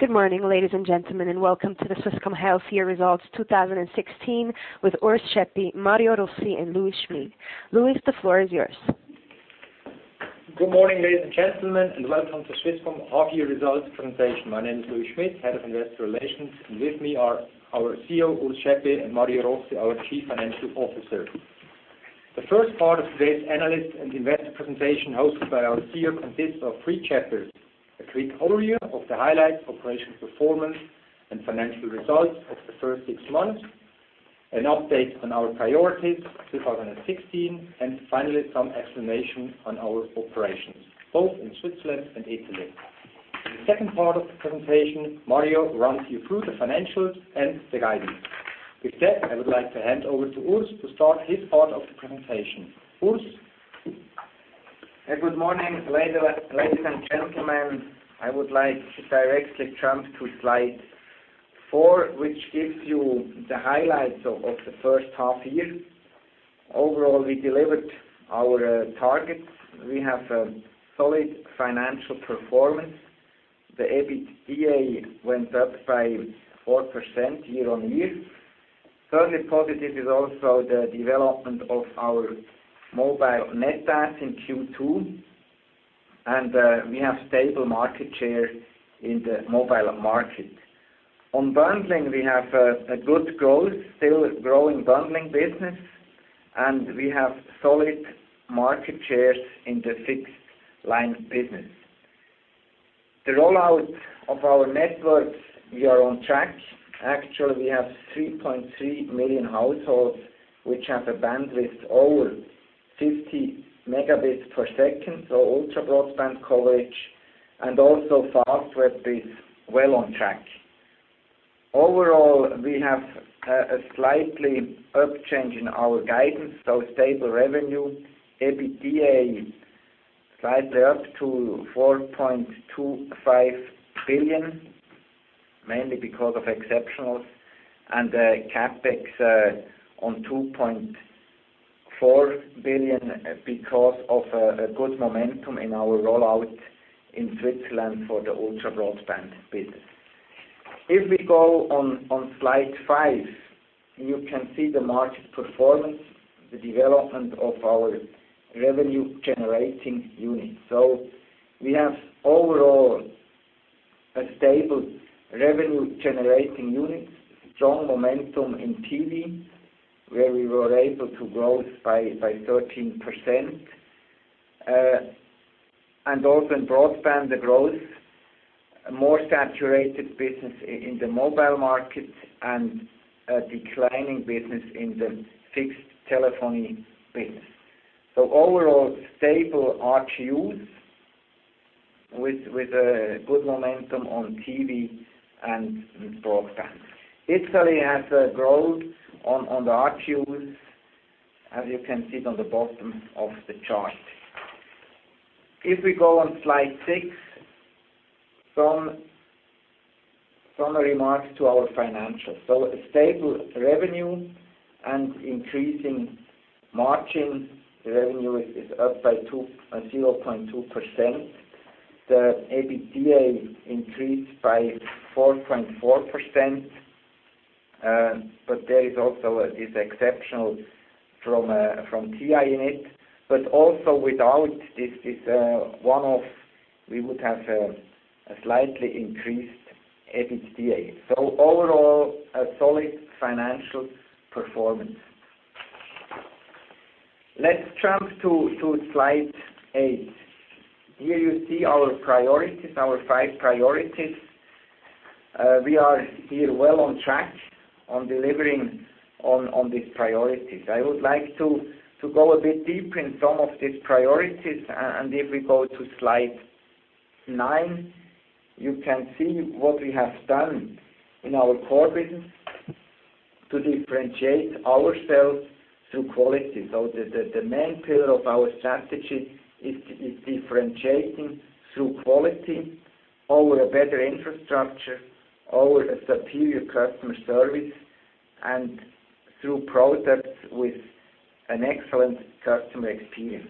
Good morning, ladies and gentlemen, welcome to the Swisscom half-year results 2016 with Urs Schaeppi, Mario Rossi, and Louis Schmid. Louis, the floor is yours. Good morning, ladies and gentlemen, welcome to Swisscom half-year results presentation. My name is Louis Schmid, Head of Investor Relations, with me are our CEO, Urs Schaeppi, and Mario Rossi, our Chief Financial Officer. The first part of today's analyst and investor presentation hosted by our CEO consists of three chapters. A quick overview of the highlights, operational performance, and financial results of the first six months, an update on our priorities 2016, finally some explanation on our operations, both in Switzerland and Italy. In the second part of the presentation, Mario runs you through the financials and the guidance. With that, I would like to hand over to Urs to start his part of the presentation. Urs. Good morning, ladies and gentlemen. I would like to directly jump to slide four, which gives you the highlights of the first half-year. Overall, we delivered our targets. We have a solid financial performance. The EBITDA went up by 4% year-over-year. Certainly positive is also the development of our mobile net adds in Q2. We have stable market share in the mobile market. On bundling, we have a good growth, still growing bundling business, we have solid market shares in the fixed line business. The rollout of our networks, we are on track. Actually, we have 3.3 million households which have a bandwidth over 50 Mbps, so ultra-broadband coverage. Fastweb is well on track. Overall, we have a slight up change in our guidance, stable revenue. EBITDA slightly up to 4.25 billion, mainly because of exceptionals. CapEx on 2.4 billion because of a good momentum in our rollout in Switzerland for the ultra-broadband business. If we go on slide five, you can see the market performance, the development of our revenue-generating units. We have overall a stable revenue-generating unit. Strong momentum in TV, where we were able to grow by 13%. Also in broadband the growth. More saturated business in the mobile market and a declining business in the fixed telephony business. Overall stable RGUs with a good momentum on TV and broadband. Italy has a growth on the RGUs, as you can see it on the bottom of the chart. If we go on slide six, some remarks to our financials. A stable revenue and increasing margin. Revenue is up by 0.2%. The EBITDA increased by 4.4%, there is also this exceptional from TI in it. Also without this one-off, we would have a slightly increased EBITDA. Overall, a solid financial performance. Let's jump to slide eight. Here you see our priorities, our five priorities. We are here well on track on delivering on these priorities. I would like to go a bit deeper in some of these priorities. If we go to slide nine, you can see what we have done in our core business to differentiate ourselves through quality. The main pillar of our strategy is differentiating through quality over a better infrastructure, over a superior customer service, and through products with an excellent customer experience.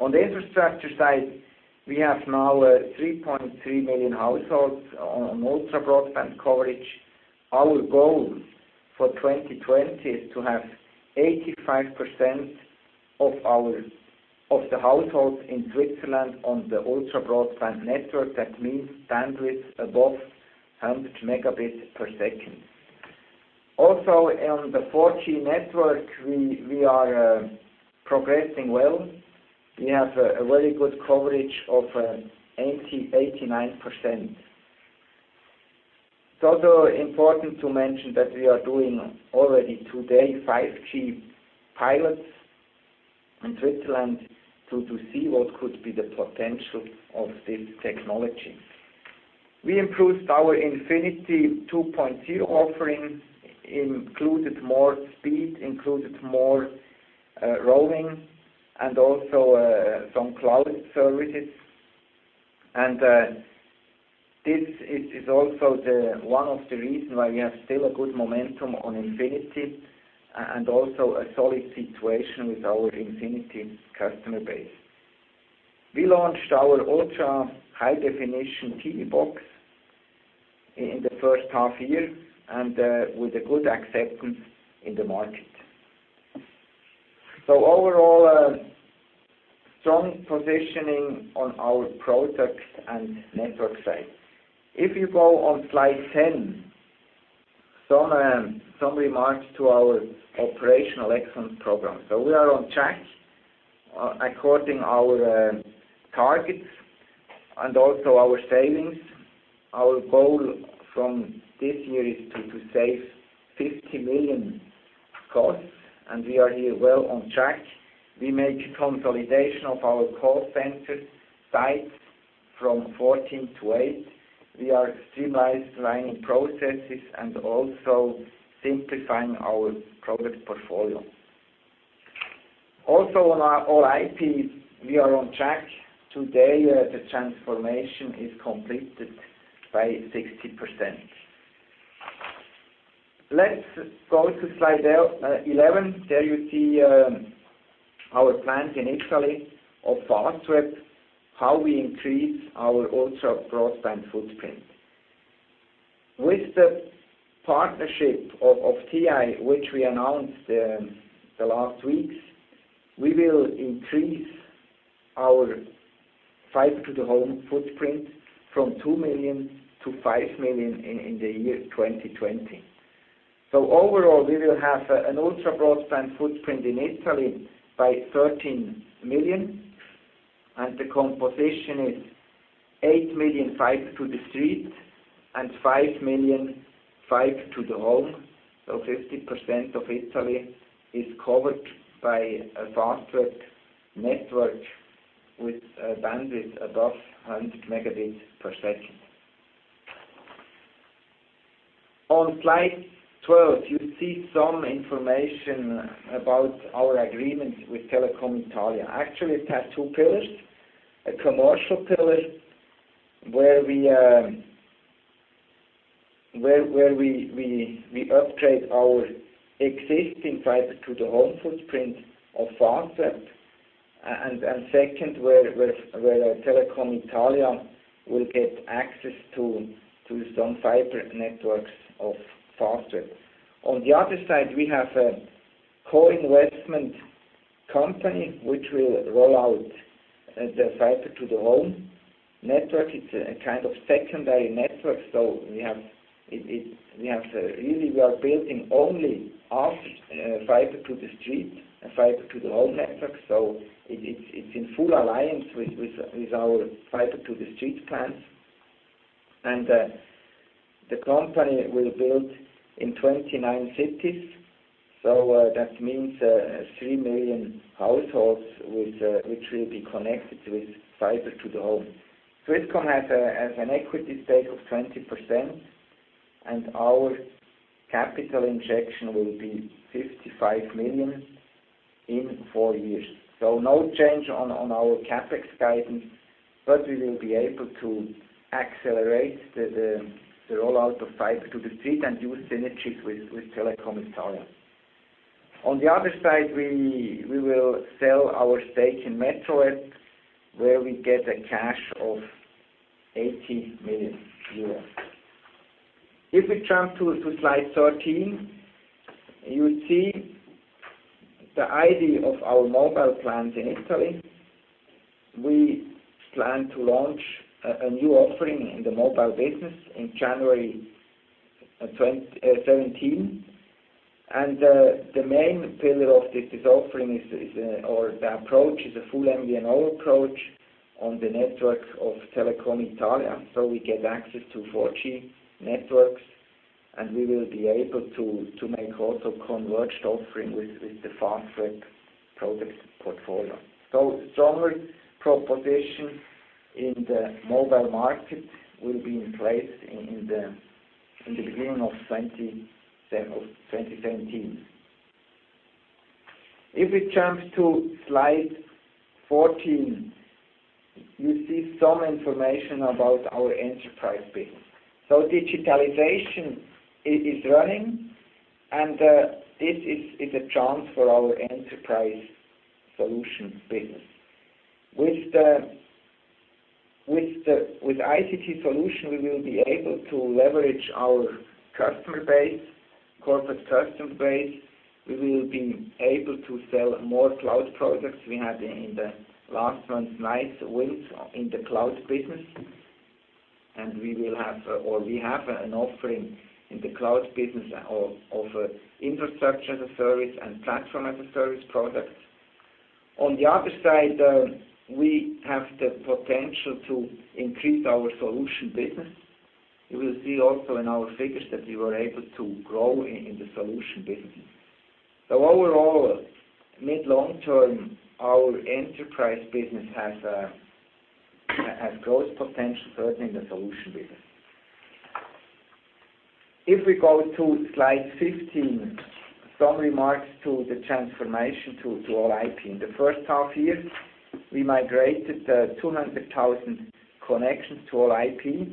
On the infrastructure side, we have now 3.3 million households on ultra-broadband coverage. Our goal for 2020 is to have 85% of the households in Switzerland on the ultra-broadband network. That means bandwidth above 100 megabits per second. Also on the 4G network, we are progressing well. We have a very good coverage of 89%. It's also important to mention that we are doing already today 5G pilots in Switzerland to see what could be the potential of this technology. We improved our Natel infinity 2.0 offering, included more speed, included more roaming, and also some cloud services. This is also one of the reasons why we have still a good momentum on Natel infinity. Also a solid situation with our Natel infinity customer base. We launched our ultra-high-definition TV box in the first half year and with a good acceptance in the market. Overall, strong positioning on our products and network side. If you go on slide 10, some remarks to our operational excellence program. We are on track according our targets and also our savings. Our goal from this year is to save 50 million costs, we are here well on track. We make consolidation of our call center sites from 14 to 8. We are streamlining processes and also simplifying our product portfolio. Also on our All IP, we are on track. Today, the transformation is completed by 60%. Let's go to slide 11. There you see our plans in Italy of Fastweb, how we increase our ultra-broadband footprint. With the partnership of TI, which we announced the last weeks, we will increase our fiber-to-the-home footprint from 2 million to 5 million in the year 2020. Overall, we will have an ultra-broadband footprint in Italy by 13 million, and the composition is 8 million fiber to the street and 5 million fiber to the home. 50% of Italy is covered by a Fastweb network with bandwidth above 100 megabits per second. On slide 12, you see some information about our agreement with Telecom Italia. Actually, it has two pillars. A commercial pillar where we upgrade our existing fiber-to-the-home footprint of Fastweb, and second where Telecom Italia will get access to some fiber networks of Fastweb. On the other side, we have a co-investment company which will roll out the fiber-to-the-home network. It's a kind of secondary network. Really, we are building only half fiber to the street and fiber to the home network. It's in full alliance with our fiber-to-the-street plans. The company will build in 29 cities, that means 3 million households which will be connected with fiber to the home. Swisscom has an equity stake of 20%, and our capital injection will be 55 million in four years. No change on our CapEx guidance, but we will be able to accelerate the rollout of fiber to the street and use synergies with Telecom Italia. On the other side, we will sell our stake in Metroweb, where we get a cash of 80 million euros. If we jump to slide 13, you see the idea of our mobile plans in Italy. We plan to launch a new offering in the mobile business in January 2017. The main pillar of this offering is, or the approach is a full MVNO approach on the network of Telecom Italia. We get access to 4G networks, and we will be able to make also converged offering with the Fastweb product portfolio. Stronger proposition in the mobile market will be in place in the beginning of 2017. If we jump to slide 14, you see some information about our enterprise business. Digitalization is running, and this is a chance for our enterprise solution business. With ICT solution, we will be able to leverage our corporate customer base. We will be able to sell more cloud products. We had in the last months nice wins in the cloud business, and we have an offering in the cloud business of infrastructure as a service and platform as a service products. On the other side, we have the potential to increase our solution business. You will see also in our figures that we were able to grow in the solution businesses. Overall, mid, long term, our enterprise business has growth potential, certainly in the solution business. If we go to slide 15, some remarks to the transformation to All IP. In the first half year, we migrated 200,000 connections to All IP.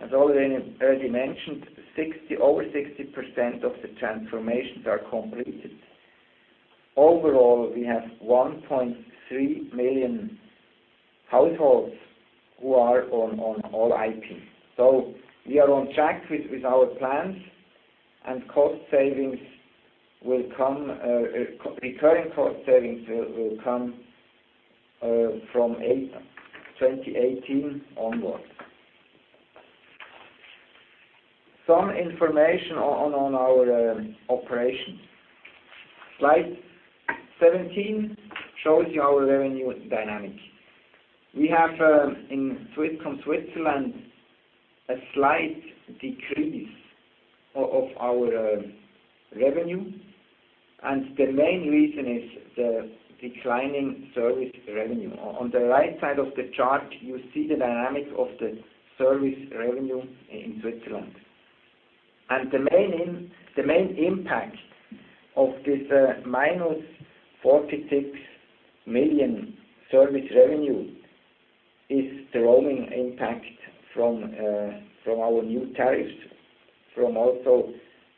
As already mentioned, over 60% of the transformations are completed. Overall, we have 1.3 million households who are on All IP. We are on track with our plans, and recurring cost savings will come from 2018 onwards. Some information on our operations. Slide 17 shows you our revenue dynamic. We have in Swisscom Switzerland, a slight decrease of our revenue, and the main reason is the declining service revenue. On the right side of the chart, you see the dynamic of the service revenue in Switzerland. The main impact of this minus 46 million service revenue is the roaming impact from our new tariffs from also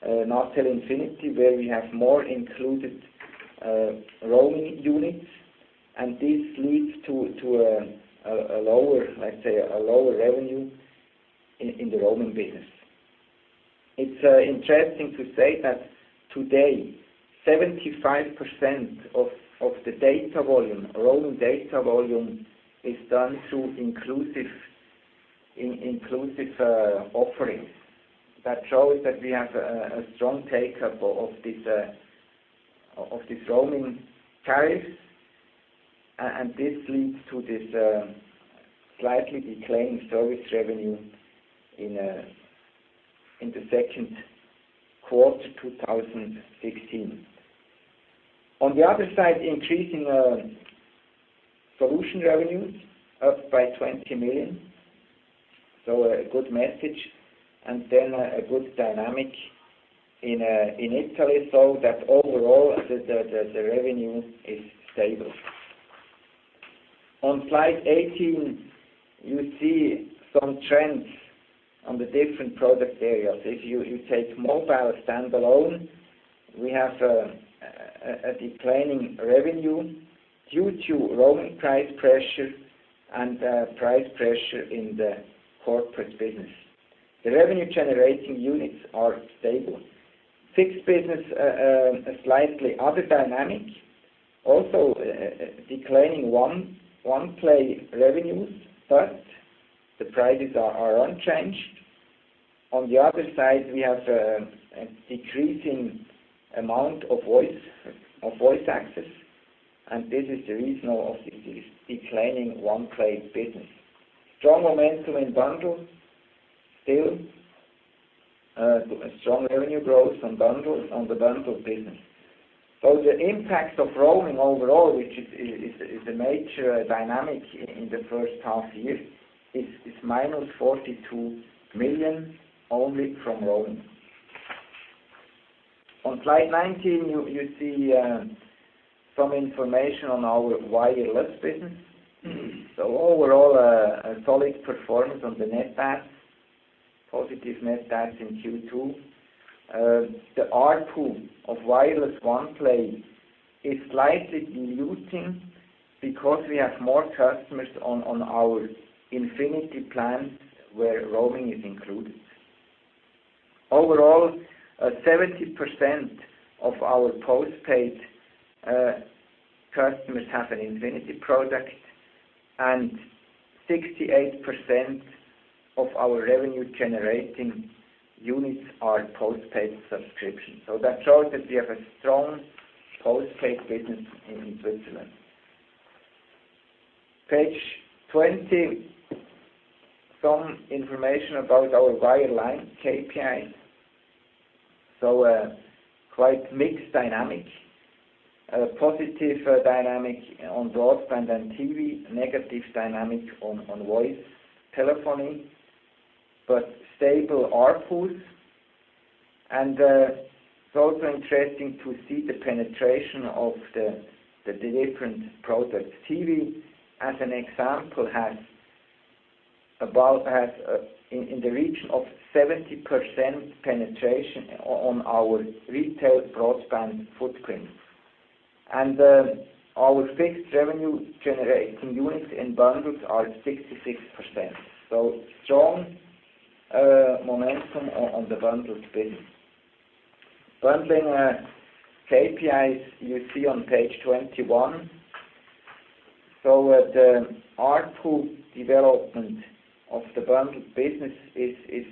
Natel infinity, where we have more included roaming units, and this leads to a lower revenue in the roaming business. It's interesting to say that today, 75% of the data volume, roaming data volume, is done through inclusive offerings. That shows that we have a strong take-up of these roaming tariffs, and this leads to this slightly declining service revenue in the second quarter 2016. On the other side, increasing solution revenues up by 20 million. A good message, a good dynamic in Italy, overall the revenue is stable. On slide 18, you see some trends on the different product areas. If you take mobile standalone, we have a declining revenue due to roaming price pressure and price pressure in the corporate business. The revenue-generating units are stable. Fixed business, slightly other dynamic. Also declining one-play revenues, but the prices are unchanged. On the other side, we have a decreasing amount of voice access, and this is the reason of this declining One Play business. Strong momentum in bundle. Still a strong revenue growth on the bundle business. The impact of roaming overall, which is the major dynamic in the first half year, is minus 42 million only from roaming. Slide 19, you see some information on our wireless business. Overall, a solid performance on the net adds. Positive net adds in Q2. The ARPU of wireless One Play is slightly diluting because we have more customers on our Infinity plan, where roaming is included. Overall, 70% of our postpaid customers have an Infinity product, and 68% of our revenue-generating units are postpaid subscriptions. That shows that we have a strong postpaid business in Switzerland. Page 20, some information about our wireline KPI. A quite mixed dynamic. A positive dynamic on broadband and TV, negative dynamic on voice telephony, but stable ARPUs. It's also interesting to see the penetration of the different products. TV, as an example, has in the region of 70% penetration on our retail broadband footprint. Our fixed revenue-generating units in bundles are 66%. Strong momentum on the bundles business. Bundling KPIs you see on page 21. The ARPU development of the bundle business is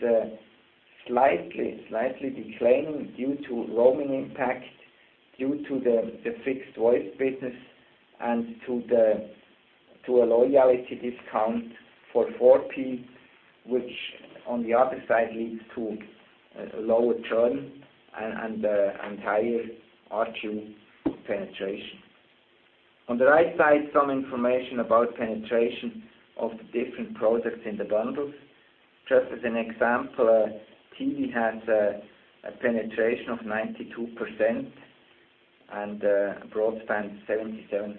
slightly declining due to roaming impact, due to the fixed-voice business, and to a loyalty discount for 4P, which on the other side leads to a lower churn and higher ARPU penetration. The right side, some information about penetration of the different products in the bundles. Just as an example, TV has a penetration of 92%. Broadband 77%.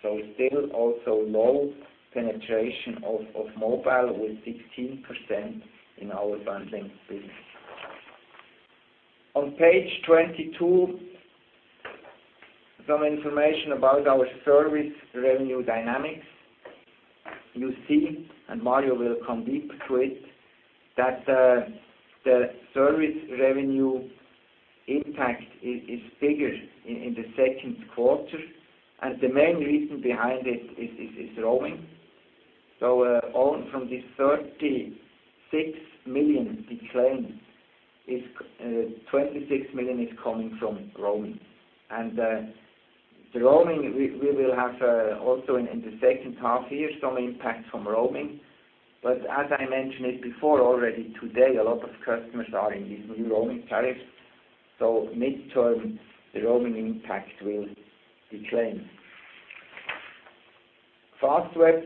Still also low penetration of mobile with 16% in our bundling business. On page 22, some information about our service revenue dynamics. You see, and Mario will come deep to it, that the service revenue impact is bigger in the second quarter. The main reason behind it is roaming. From this 36 million decline, 26 million is coming from roaming. The roaming, we will have also in the second half here, some impact from roaming. As I mentioned it before already, today, a lot of customers are in these new roaming tariffs. Midterm, the roaming impact will decline. Fastweb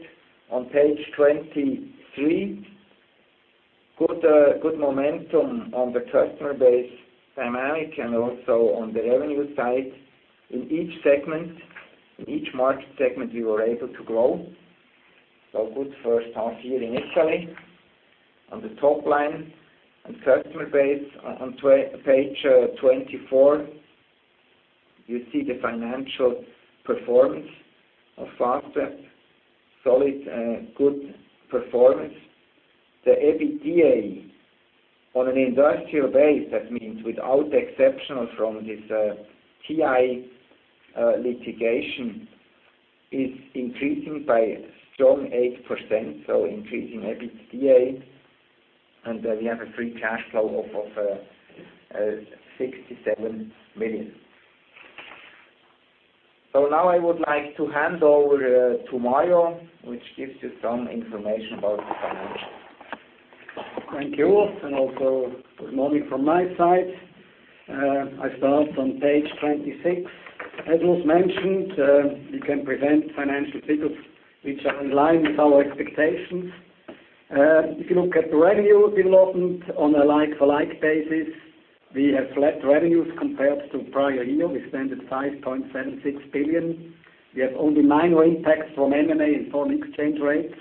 on page 23. Good momentum on the customer base dynamic and also on the revenue side. In each market segment, we were able to grow. Good first half year in Italy. On the top line, on customer base on page 24, you see the financial performance of Fastweb. Solid, good performance. The EBITDA on an industrial base, that means without exceptional from this TI litigation, is increasing by strong 8%, increasing EBITDA, and we have a free cash flow of 67 million. Now I would like to hand over to Mario, which gives you some information about the financials. Thank you, good morning from my side. I start on page 26. As was mentioned, we can present financial figures which are in line with our expectations. If you look at the revenue development on a like-for-like basis, we have flat revenues compared to prior year. We expanded 5.76 billion. We have only minor impacts from M&A and foreign exchange rates.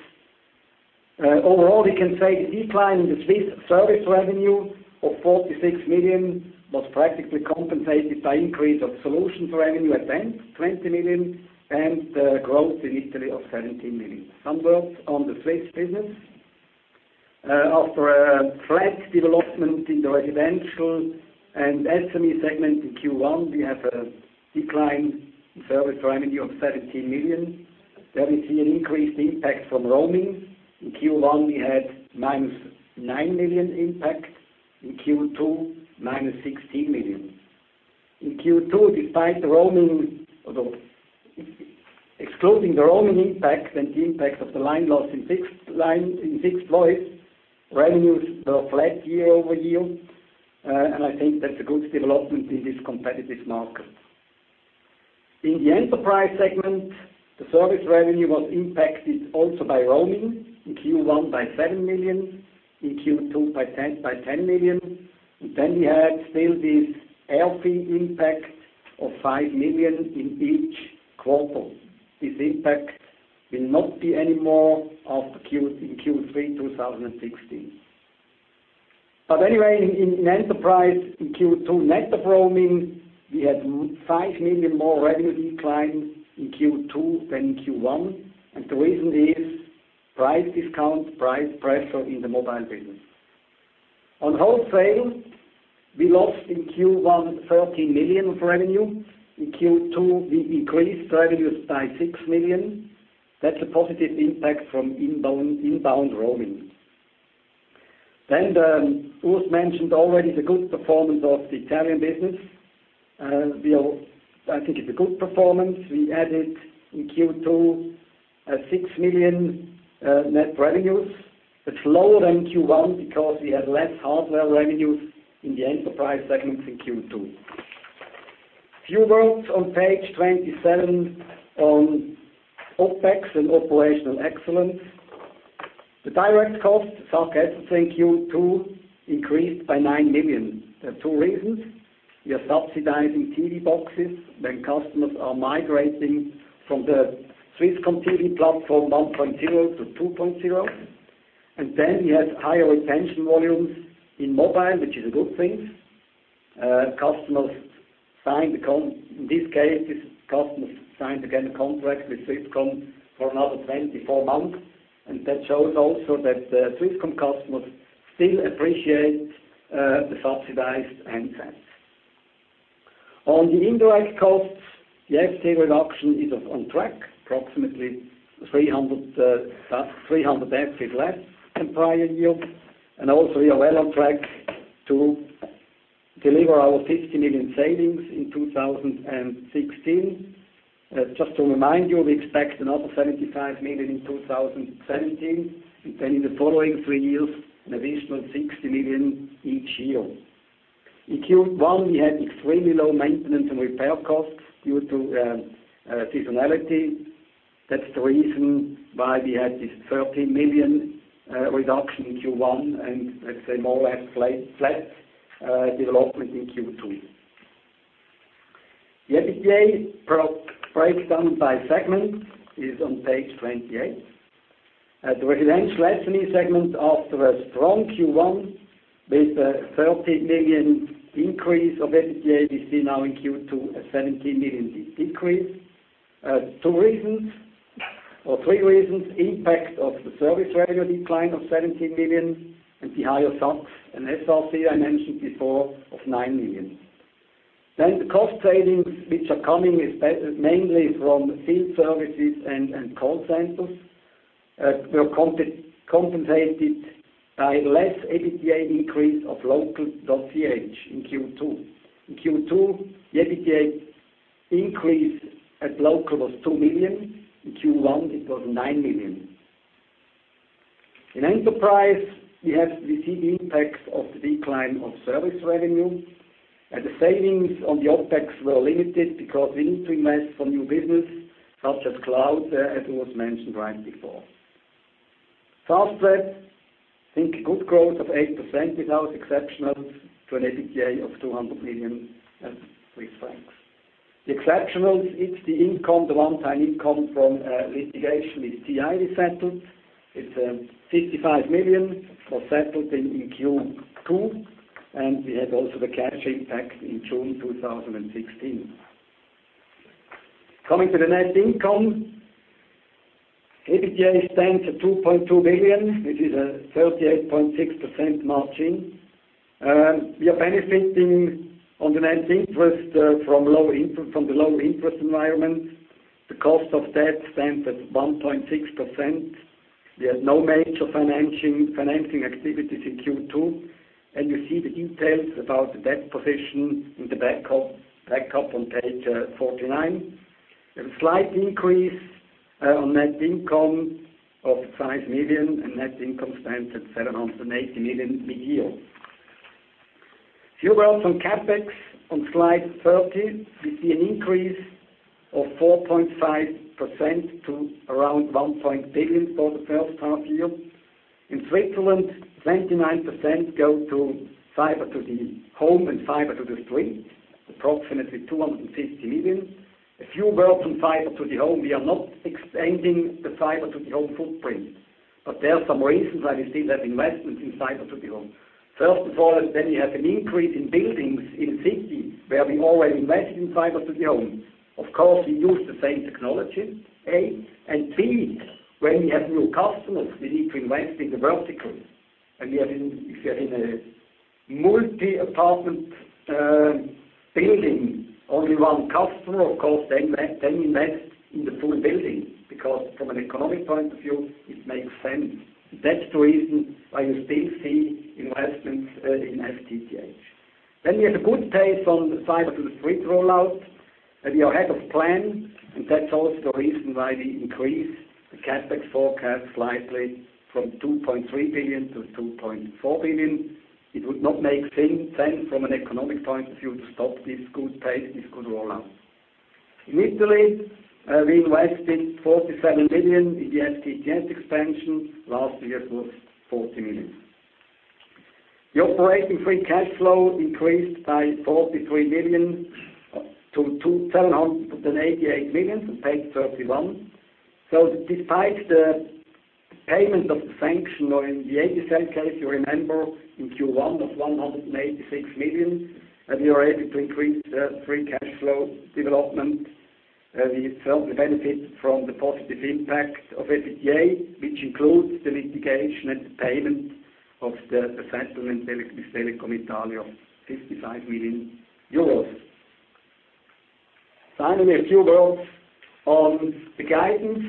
Overall, we can say the decline in the Swiss service revenue of 46 million was practically compensated by increase of solutions revenue at 10, 20 million, and growth in Italy of 17 million. Some words on the Swiss business. After a flat development in the residential and SME segment in Q1, we have a decline in service revenue of 17 million. There we see an increased impact from roaming. In Q1, we had minus 9 million impact. In Q2, minus 16 million. In Q2, excluding the roaming impact and the impact of the line loss in fixed voice, revenues were flat year-over-year. I think that's a good development in this competitive market. In the enterprise segment, the service revenue was impacted also by roaming. In Q1 by 7 million, in Q2 by 10 million. We had still this airtime fee impact of 5 million in each quarter. This impact will not be any more in Q3 2016. Anyway, in enterprise in Q2, net of roaming, we had 5 million more revenue decline in Q2 than in Q1. The reason is price discount, price pressure in the mobile business. On wholesale, we lost in Q1 13 million of revenue. In Q2, we increased revenues by 6 million. That's a positive impact from inbound roaming. Urs mentioned already the good performance of the Italian business. I think it's a good performance. We added in Q2 6 million net revenues. That's lower than Q1 because we had less hardware revenues in the enterprise segment in Q2. Few words on page 27 on OPEX and operational excellence. The direct costs, aka sink Q2, increased by 9 million. There are two reasons. We are subsidizing TV boxes when customers are migrating from the Swisscom TV 1.0 to TV 2.0. We have higher retention volumes in mobile, which is a good thing. In this case, these customers signed again a contract with Swisscom for another 24 months. That shows also that Swisscom customers still appreciate the subsidized handsets. On the indirect costs, the FTE reduction is on track, approximately 300x less than prior year. We are well on track to deliver our 50 million savings in 2016. Just to remind you, we expect another 75 million in 2017, in the following three years, an additional 60 million each year. In Q1, we had extremely low maintenance and repair costs due to seasonality. That's the reason why we had this 30 million reduction in Q1, more or less flat development in Q2. The EBITDA breakdown by segment is on page 28. At the residential SME segment, after a strong Q1 with a 30 million increase of EBITDA, we see now in Q2 a 17 million decrease. Three reasons: impact of the service revenue decline of 17 million and the higher SOC and SRC I mentioned before of 9 million. The cost savings, which are coming mainly from field services and call centers, were compensated by less EBITDA increase of Local.ch in Q2. In Q2, the EBITDA increase at Local was 2 million. In Q1, it was 9 million. In enterprise, we see the impacts of the decline of service revenue. The savings on the OPEX were limited because we need to invest for new business such as cloud, as it was mentioned right before. Fastweb, I think a good growth of 8% without exceptionals to an EBITDA of 200 million. The exceptionals, it's the one-time income from litigation with TI we settled. It's 55 million was settled in Q2, and we had also the cash impact in June 2016. Coming to the net income. EBITDA stands at 2.2 billion, which is a 38.6% margin. We are benefiting on the net interest from the lower interest environment. The cost of debt stands at 1.6%. We had no major financing activities in Q2. You see the details about the debt position in the backup on page 49. We have a slight increase on net income of 5 million. Net income stands at 780 million mid-year. A few words on CapEx. On slide 30, we see an increase of 4.5% to around 1.8 billion for the first half year. In Switzerland, 29% go to fiber-to-the-home and fiber-to-the-street, approximately 250 million. A few words on fiber-to-the-home. We are not expanding the fiber-to-the-home footprint. There are some reasons why we still have investments in fiber-to-the-home. First of all, you have an increase in buildings in cities where we already invested in fiber-to-the-home. Of course, we use the same technology, A. B, when we have new customers, we need to invest in the vertical. If you are in a multi-apartment building, only one customer, of course, we invest in the full building because from an economic point of view, it makes sense. That's the reason why you still see investments in FTTH. We have a good pace on the fiber-to-the-street rollout, and we are ahead of plan, and that's also the reason why we increased the CapEx forecast slightly from 2.3 billion to 2.4 billion. It would not make sense from an economic point of view to stop this good pace, this good rollout. In Italy, we invested 47 million in the FTTH expansion. Last year it was 40 million. The operating free cash flow increased by 43 million to 788 million on page 31. Despite the payment of the sanction or in the AB Cell case, you remember in Q1 of 186 million, we were able to increase the free cash flow development. We certainly benefit from the positive impact of EBITDA, which includes the litigation and the payment of the settlement with Telecom Italia, EUR 55 million. Finally, a few words on the guidance.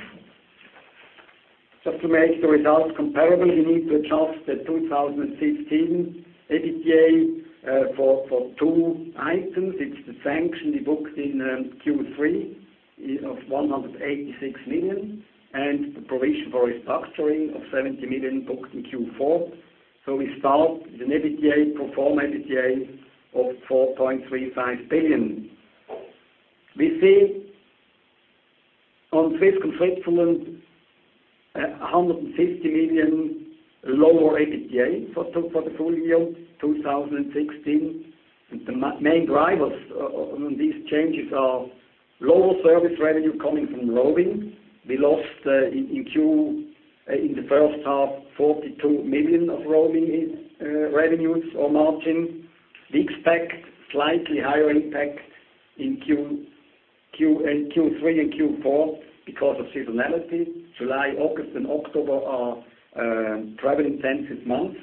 Just to make the results comparable, we need to adjust the 2016 EBITDA for two items. It's the sanction we booked in Q3 of 186 million and the provision for restructuring of 70 million booked in Q4. We start with an pro forma EBITDA of 4.35 billion. We see on Swisscom Switzerland, 150 million lower EBITDA for the full year 2016. The main drivers on these changes are lower service revenue coming from roaming. We lost in the first half, 42 million of roaming revenues or margin. We expect slightly higher impact in Q3 and Q4 because of seasonality. July, August, and October are travel-intensive months.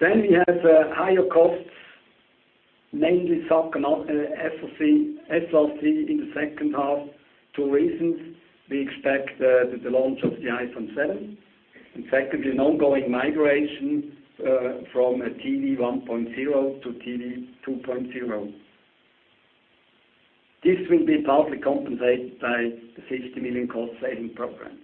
We have higher costs, mainly SOC in the second half. Two reasons. We expect the launch of the iPhone 7, and secondly, an ongoing migration from a TV 1.0 to TV 2.0. This will be partly compensated by the 50 million cost-saving program.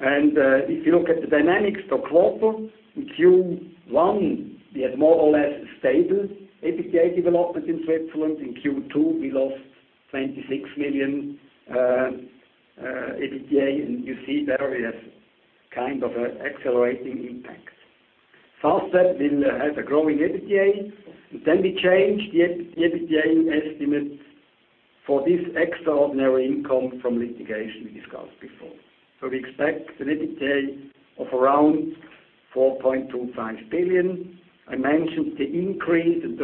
If you look at the dynamics per quarter, in Q1, we had more or less stable EBITDA development in Switzerland. In Q2, we lost 26 million EBITDA, and you see there we have an accelerating impact. Fastweb will have a growing EBITDA. We change the EBITDA estimates for this extraordinary income from litigation we discussed before. We expect an EBITDA of around 4.25 billion. I mentioned the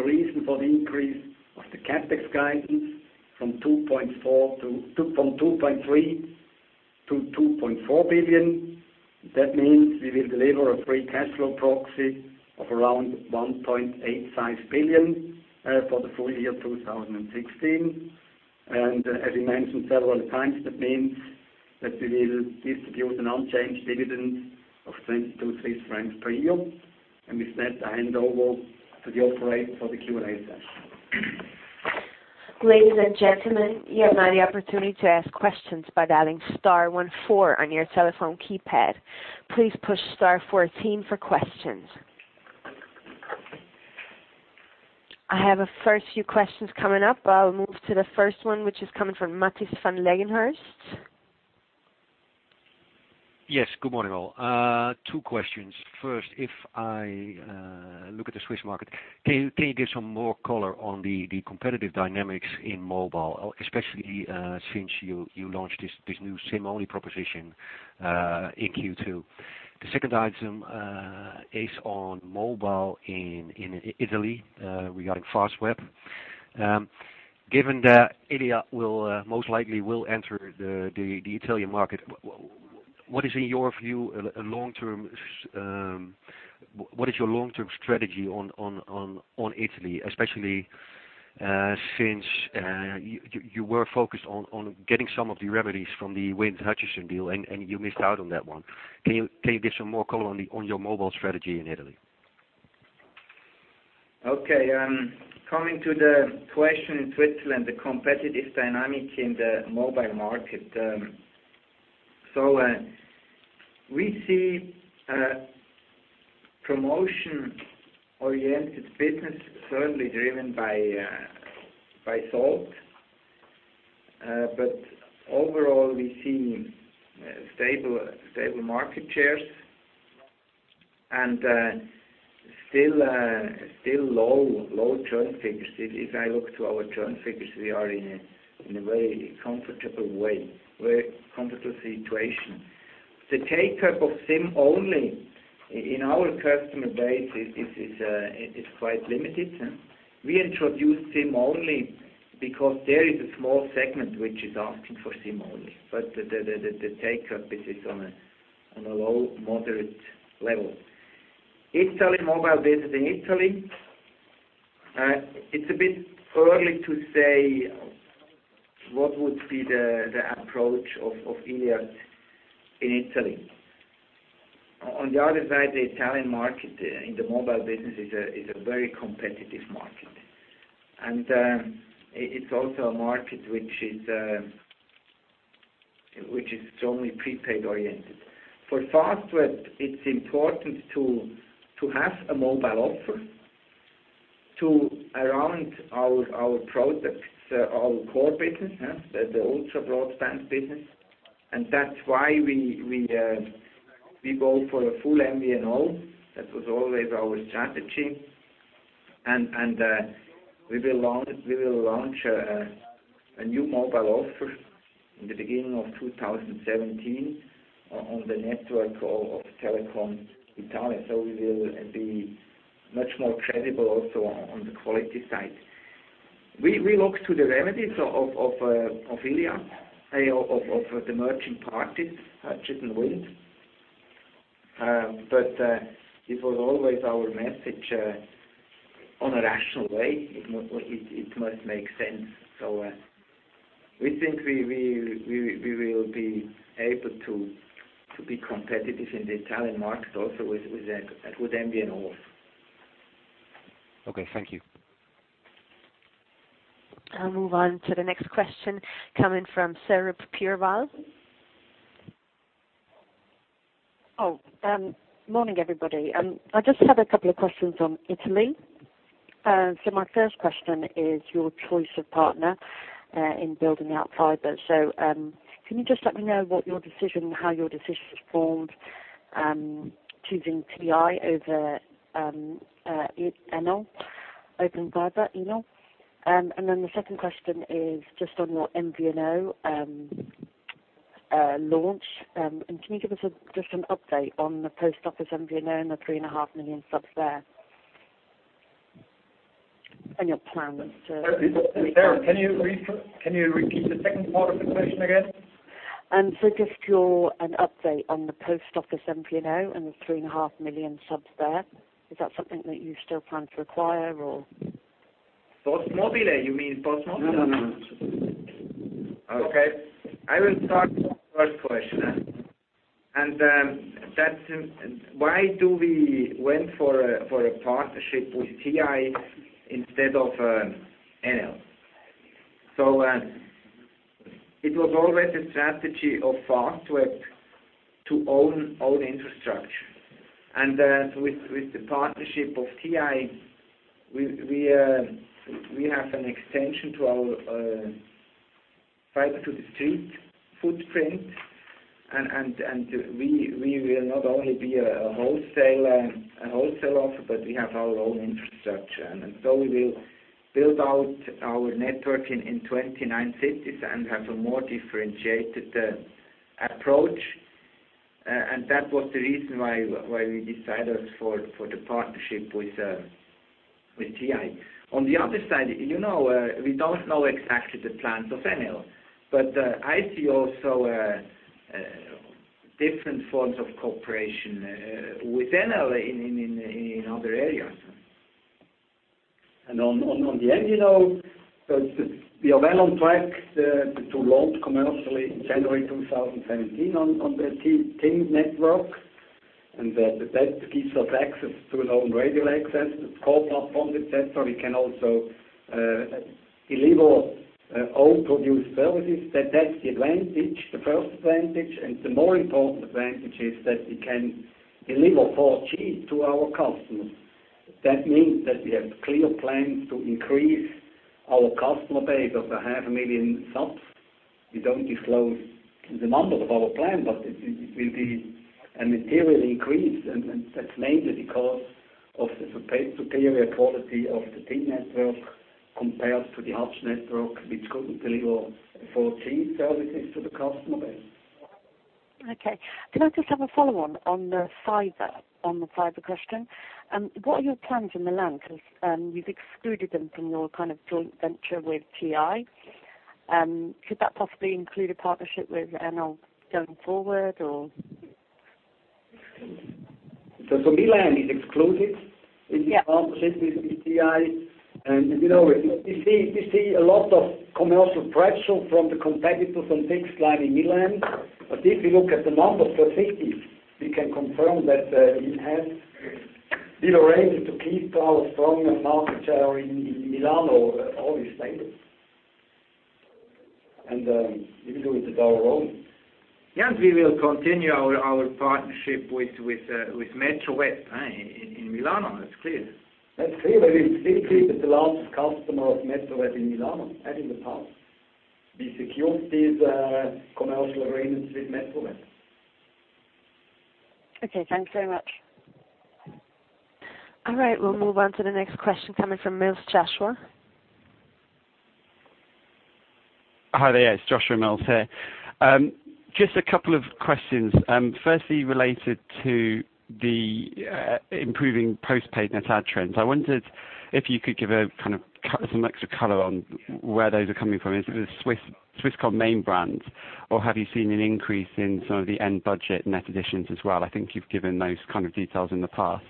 reason for the increase of the CapEx guidance from 2.3 billion-2.4 billion. That means we will deliver a free cash flow proxy of around 1.85 billion for the full year 2016. As we mentioned several times, that means that we will distribute an unchanged dividend of 22.3 francs per year. With that, I hand over to the operator for the Q&A session. Ladies and gentlemen, you have now the opportunity to ask questions by dialing star 14 on your telephone keypad. Please push star 14 for questions. I have a first few questions coming up. I'll move to the first one, which is coming from Mathis van Leggehurst. Yes, good morning, all. Two questions. First, if I look at the Swiss market, can you give some more color on the competitive dynamics in mobile, especially since you launched this new SIM-only proposition in Q2? The second item is on mobile in Italy regarding Fastweb. Given that Iliad most likely will enter the Italian market, what is your long-term strategy on Italy, especially since you were focused on getting some of the remedies from the Wind Tre-Hutchison deal, and you missed out on that one. Can you give some more color on your mobile strategy in Italy? Okay. Coming to the question, Switzerland, the competitive dynamic in the mobile market. We see promotion-oriented business certainly driven by Salt. Overall, we see stable market shares and still low churn figures. If I look to our churn figures, we are in a very comfortable situation. The take-up of SIM-only in our customer base is quite limited. We introduced SIM-only because there is a small segment which is asking for SIM-only, but the take-up is on a low, moderate level. Italian mobile business in Italy. It's a bit early to say what would be the approach of Iliad in Italy. On the other side, the Italian market in the mobile business is a very competitive market, and it's also a market which is strongly prepaid-oriented. For Fastweb, it's important to have a mobile offer around our products, our core business, the ultra-broadband business, and that's why we go for a full MVNO. That was always our strategy. We will launch a new mobile offer in the beginning of 2017 on the network of Telecom Italia. We will be much more credible also on the quality side. We look to the remedies of Iliad, of the merging parties, Hutchison and Wind. It was always our message, on a rational way, it must make sense. We think we will be able to be competitive in the Italian market also with MVNO. Okay, thank you. I'll move on to the next question coming from Saroop Purewal. Morning, everybody. I just have a couple of questions on Italy. My first question is your choice of partner in building out fiber. Can you just let me know how your decision was formed choosing TI over Enel, Open Fiber, Enel? The second question is just on your MVNO launch. Can you give us just an update on the Post Office MVNO and the 3.5 million subs there, and your plans to- Saroop, can you repeat the second part of the question again? Just an update on the Post Office MVNO and the 3.5 million subs there. Is that something that you still plan to acquire or? PosteMobile, you mean PosteMobile? No, no. Okay. I will start with the first question. That's why do we went for a partnership with TI instead of Enel? It was always a strategy of Fastweb to own infrastructure. With the partnership of TI, we have an extension to our fiber to the street footprint. We will not only be a wholesale offer, but we have our own infrastructure. We will build out our network in 29 cities and have a more differentiated approach. That was the reason why we decided for the partnership with TI. On the other side, we don't know exactly the plans of Enel. I see also different forms of cooperation with Enel in other areas. On the end, we are well on track to launch commercially in January 2017 on the TIM network. That gives us access to an own radio access. It's COPA-funded, we can also deliver our own produced services. That's the advantage, the first advantage. The more important advantage is that we can deliver 4G to our customers. That means that we have clear plans to increase our customer base of a half a million subs. We don't disclose the numbers of our plan, but it will be a material increase, and that's mainly because of the superior quality of the TIM network compared to the H3G network, which couldn't deliver 4G services to the customer base. Okay. Can I just have a follow-on the fiber question? What are your plans in Milan? Because you've excluded them from your joint venture with TI. Could that possibly include a partnership with Enel going forward or? Milan is excluded- Yeah in this partnership with TI. We see a lot of commercial pressure from the competitors on fixed line in Milan. If you look at the number of cities, we can confirm that we have deal arranged to keep our strong market share in Milan will always stay. We will do it on our own. Yeah. We will continue our partnership with Metroweb in Milan. That's clear. That's clear. We've been the largest customer of Metroweb in Milan as in the past. We secured these commercial arrangements with Metroweb. Okay, thanks very much. All right. We'll move on to the next question coming from Joshua Mills. Hi there. It's Joshua Mills here. Just a couple of questions. Firstly, related to the improving postpaid net add trends. I wondered if you could give some extra color on where those are coming from. Is it the Swisscom main brand, or have you seen an increase in some of the NATEL budget net additions as well? I think you've given those kind of details in the past.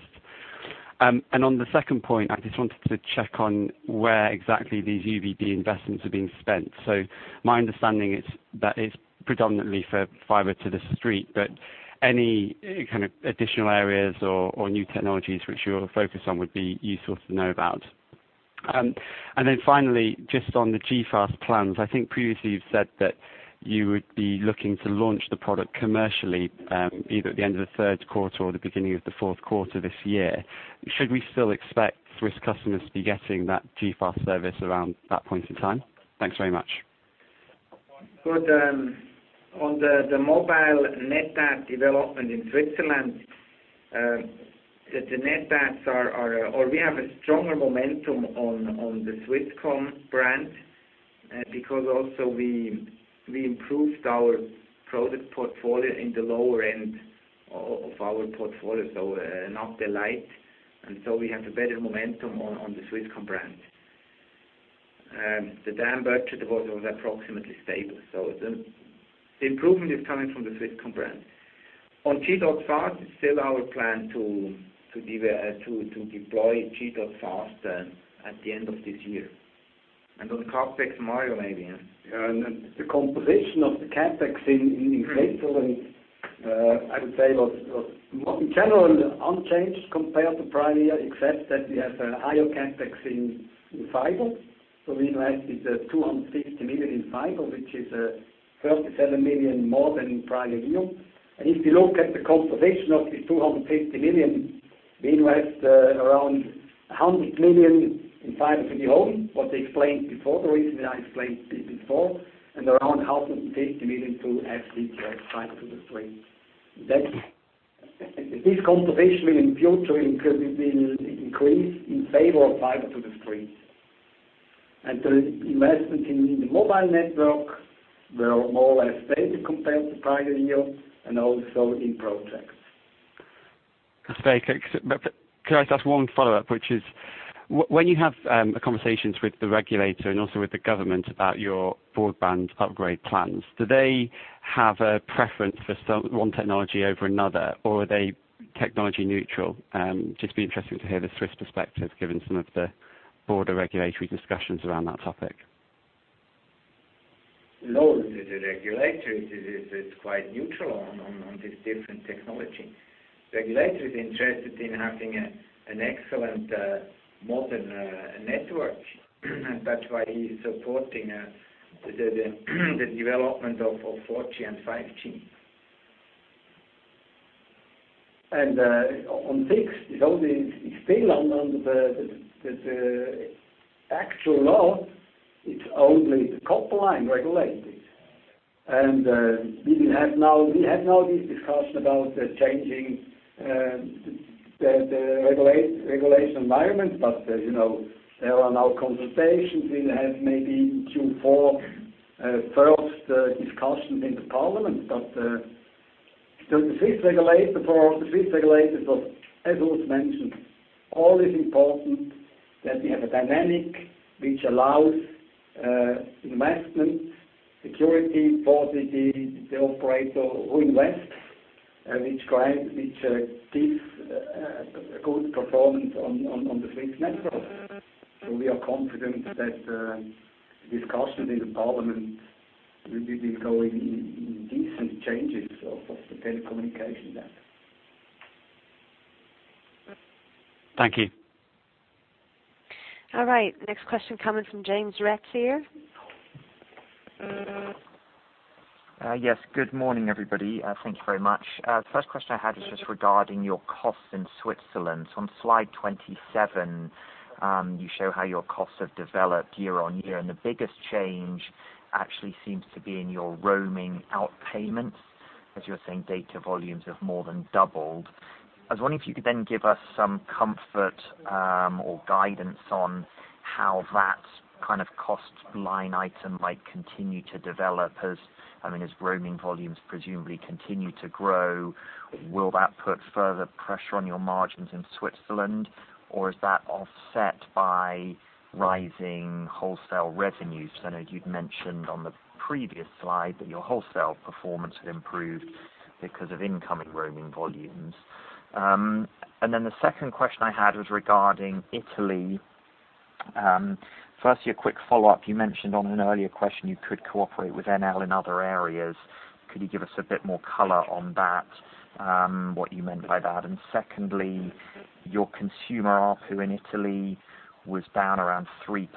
On the second point, I just wanted to check on where exactly these UBB investments are being spent. My understanding is that it's predominantly for fiber to the street, but any kind of additional areas or new technologies which you're focused on would be useful to know about. Finally, just on the G.fast plans, I think previously you've said that you would be looking to launch the product commercially either at the end of the third quarter or the beginning of the fourth quarter this year. Should we still expect Swiss customers to be getting that G.fast service around that point in time? Thanks very much. Good. On the mobile net add development in Switzerland, the net adds, we have a stronger momentum on the Swisscom brand. Because also we improved our product portfolio in the lower end of our portfolio, so not Natel light. We have a better momentum on the Swisscom brand. The NATEL budget was approximately stable. The improvement is coming from the Swisscom brand. On G.fast, it's still our plan to deploy G.fast at the end of this year. On the CapEx, Mario maybe. The composition of the CapEx in Switzerland, I would say, was more in general unchanged compared to prior year, except that we have a higher CapEx in fiber. We invested 250 million in fiber, which is 37 million more than in prior year. If you look at the composition of the 250 million, we invest around 100 million in fiber to the home, what I explained before, the reason I explained before. Around 150 million to FTTS, fiber to the street. This composition will in future increase in favor of fiber to the street. The investment in the mobile network were more or less stable compared to prior year, and also in projects. That's very clear. Could I just ask one follow-up, which is when you have conversations with the regulator and also with the government about your broadband upgrade plans, do they have a preference for one technology over another, or are they technology neutral? Just be interesting to hear the Swiss perspective, given some of the broader regulatory discussions around that topic. laws. The regulator is quite neutral on this different technology. Regulator is interested in having an excellent modern network. That's why he's supporting the development of 4G and 5G. On fixed, it's still under the actual law. It's only the copper line regulated. We have now this discussion about changing the regulation environment. There are now consultations. We'll have maybe in Q4 first discussions in the parliament. For the Swiss regulators, as Urs mentioned, all is important that we have a dynamic which allows investment security for the operator who invests, which gives a good performance on the Swiss network. We are confident that discussion in the parliament will be going in decent changes of the telecommunication there. Thank you. All right. The next question coming from James Retz here. Yes. Good morning, everybody. Thank you very much. First question I had is just regarding your costs in Switzerland. On slide 27, you show how your costs have developed year-over-year, and the biggest change actually seems to be in your roaming outpayments. As you were saying, data volumes have more than doubled. I was wondering if you could give us some comfort or guidance on how that kind of cost line item might continue to develop as roaming volumes presumably continue to grow. Will that put further pressure on your margins in Switzerland, or is that offset by rising wholesale revenues? I know you'd mentioned on the previous slide that your wholesale performance had improved because of incoming roaming volumes. The second question I had was regarding Italy. Firstly, a quick follow-up, you mentioned on an earlier question you could cooperate with NL in other areas. Could you give us a bit more color on that, what you meant by that? Secondly, your consumer ARPU in Italy was down around 3%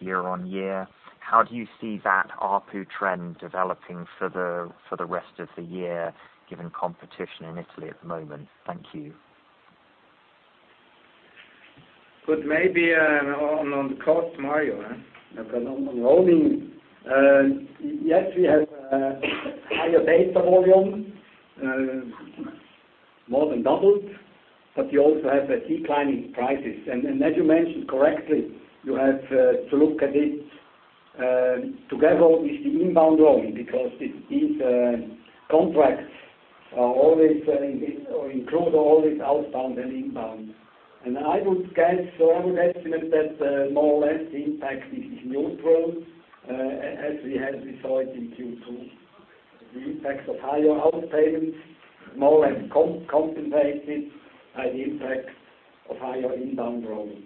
year-over-year. How do you see that ARPU trend developing for the rest of the year, given competition in Italy at the moment? Thank you. Could maybe on the cost, Mario. On roaming, yes, we have a higher data volume, more than doubled, but you also have declining prices. As you mentioned correctly, you have to look at it together with the inbound roaming because these contracts include all this outbound and inbound. I would estimate that more or less the impact is neutral as we saw it in Q2. The impacts of higher outpayments more or less compensated by the impact of higher inbound roaming.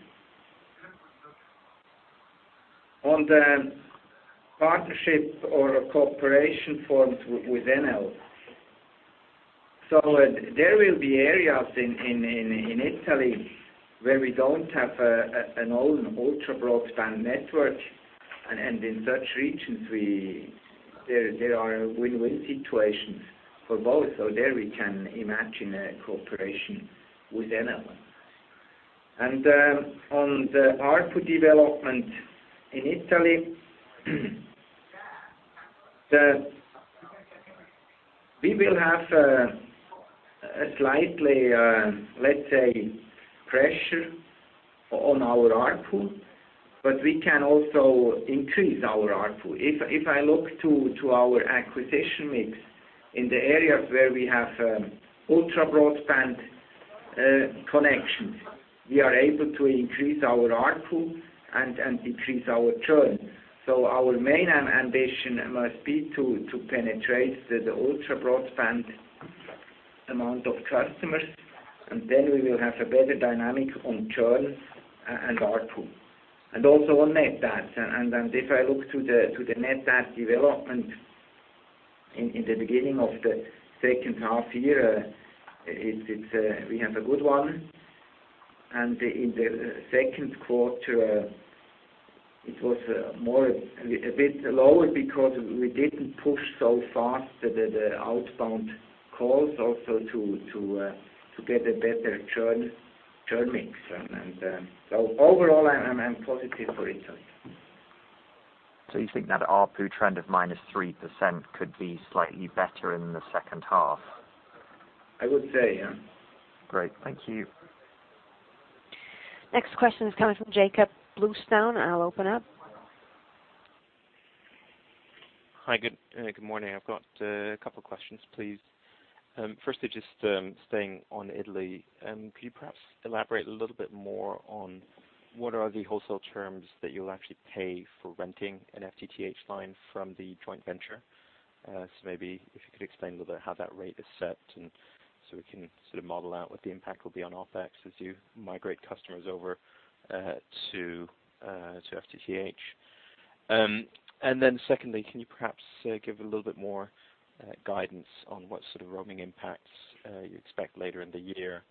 On the partnership or cooperation formed with NL. There will be areas in Italy where we don't have an own ultra-broadband network, and in such regions there are win-win situations for both. There we can imagine a cooperation with NL. On the ARPU development in Italy, we will have a slightly, let's say, pressure on our ARPU. We can also increase our ARPU. If I look to our acquisition mix in the areas where we have ultra-broadband connections, we are able to increase our ARPU and decrease our churn. Our main ambition must be to penetrate the ultra-broadband amount of customers, and then we will have a better dynamic on churn and ARPU. Also on net adds. If I look to the net add development in the beginning of the second half year, we have a good one. In the second quarter, it was a bit lower because we didn't push so fast the outbound calls also to get a better churn mix. Overall, I am positive for Italy. You think that ARPU trend of minus 3% could be slightly better in the second half? I would say, yeah. Great. Thank you. Next question is coming from Jakob Bluestone. I'll open up. Hi. Good morning. I've got a couple questions, please. Firstly, just staying on Italy, could you perhaps elaborate a little bit more on what are the wholesale terms that you'll actually pay for renting an FTTH line from the joint venture? Maybe if you could explain a little bit how that rate is set so we can model out what the impact will be on OpEx as you migrate customers over to FTTH. Secondly, can you perhaps give a little bit more guidance on what sort of roaming impacts you expect later in the year?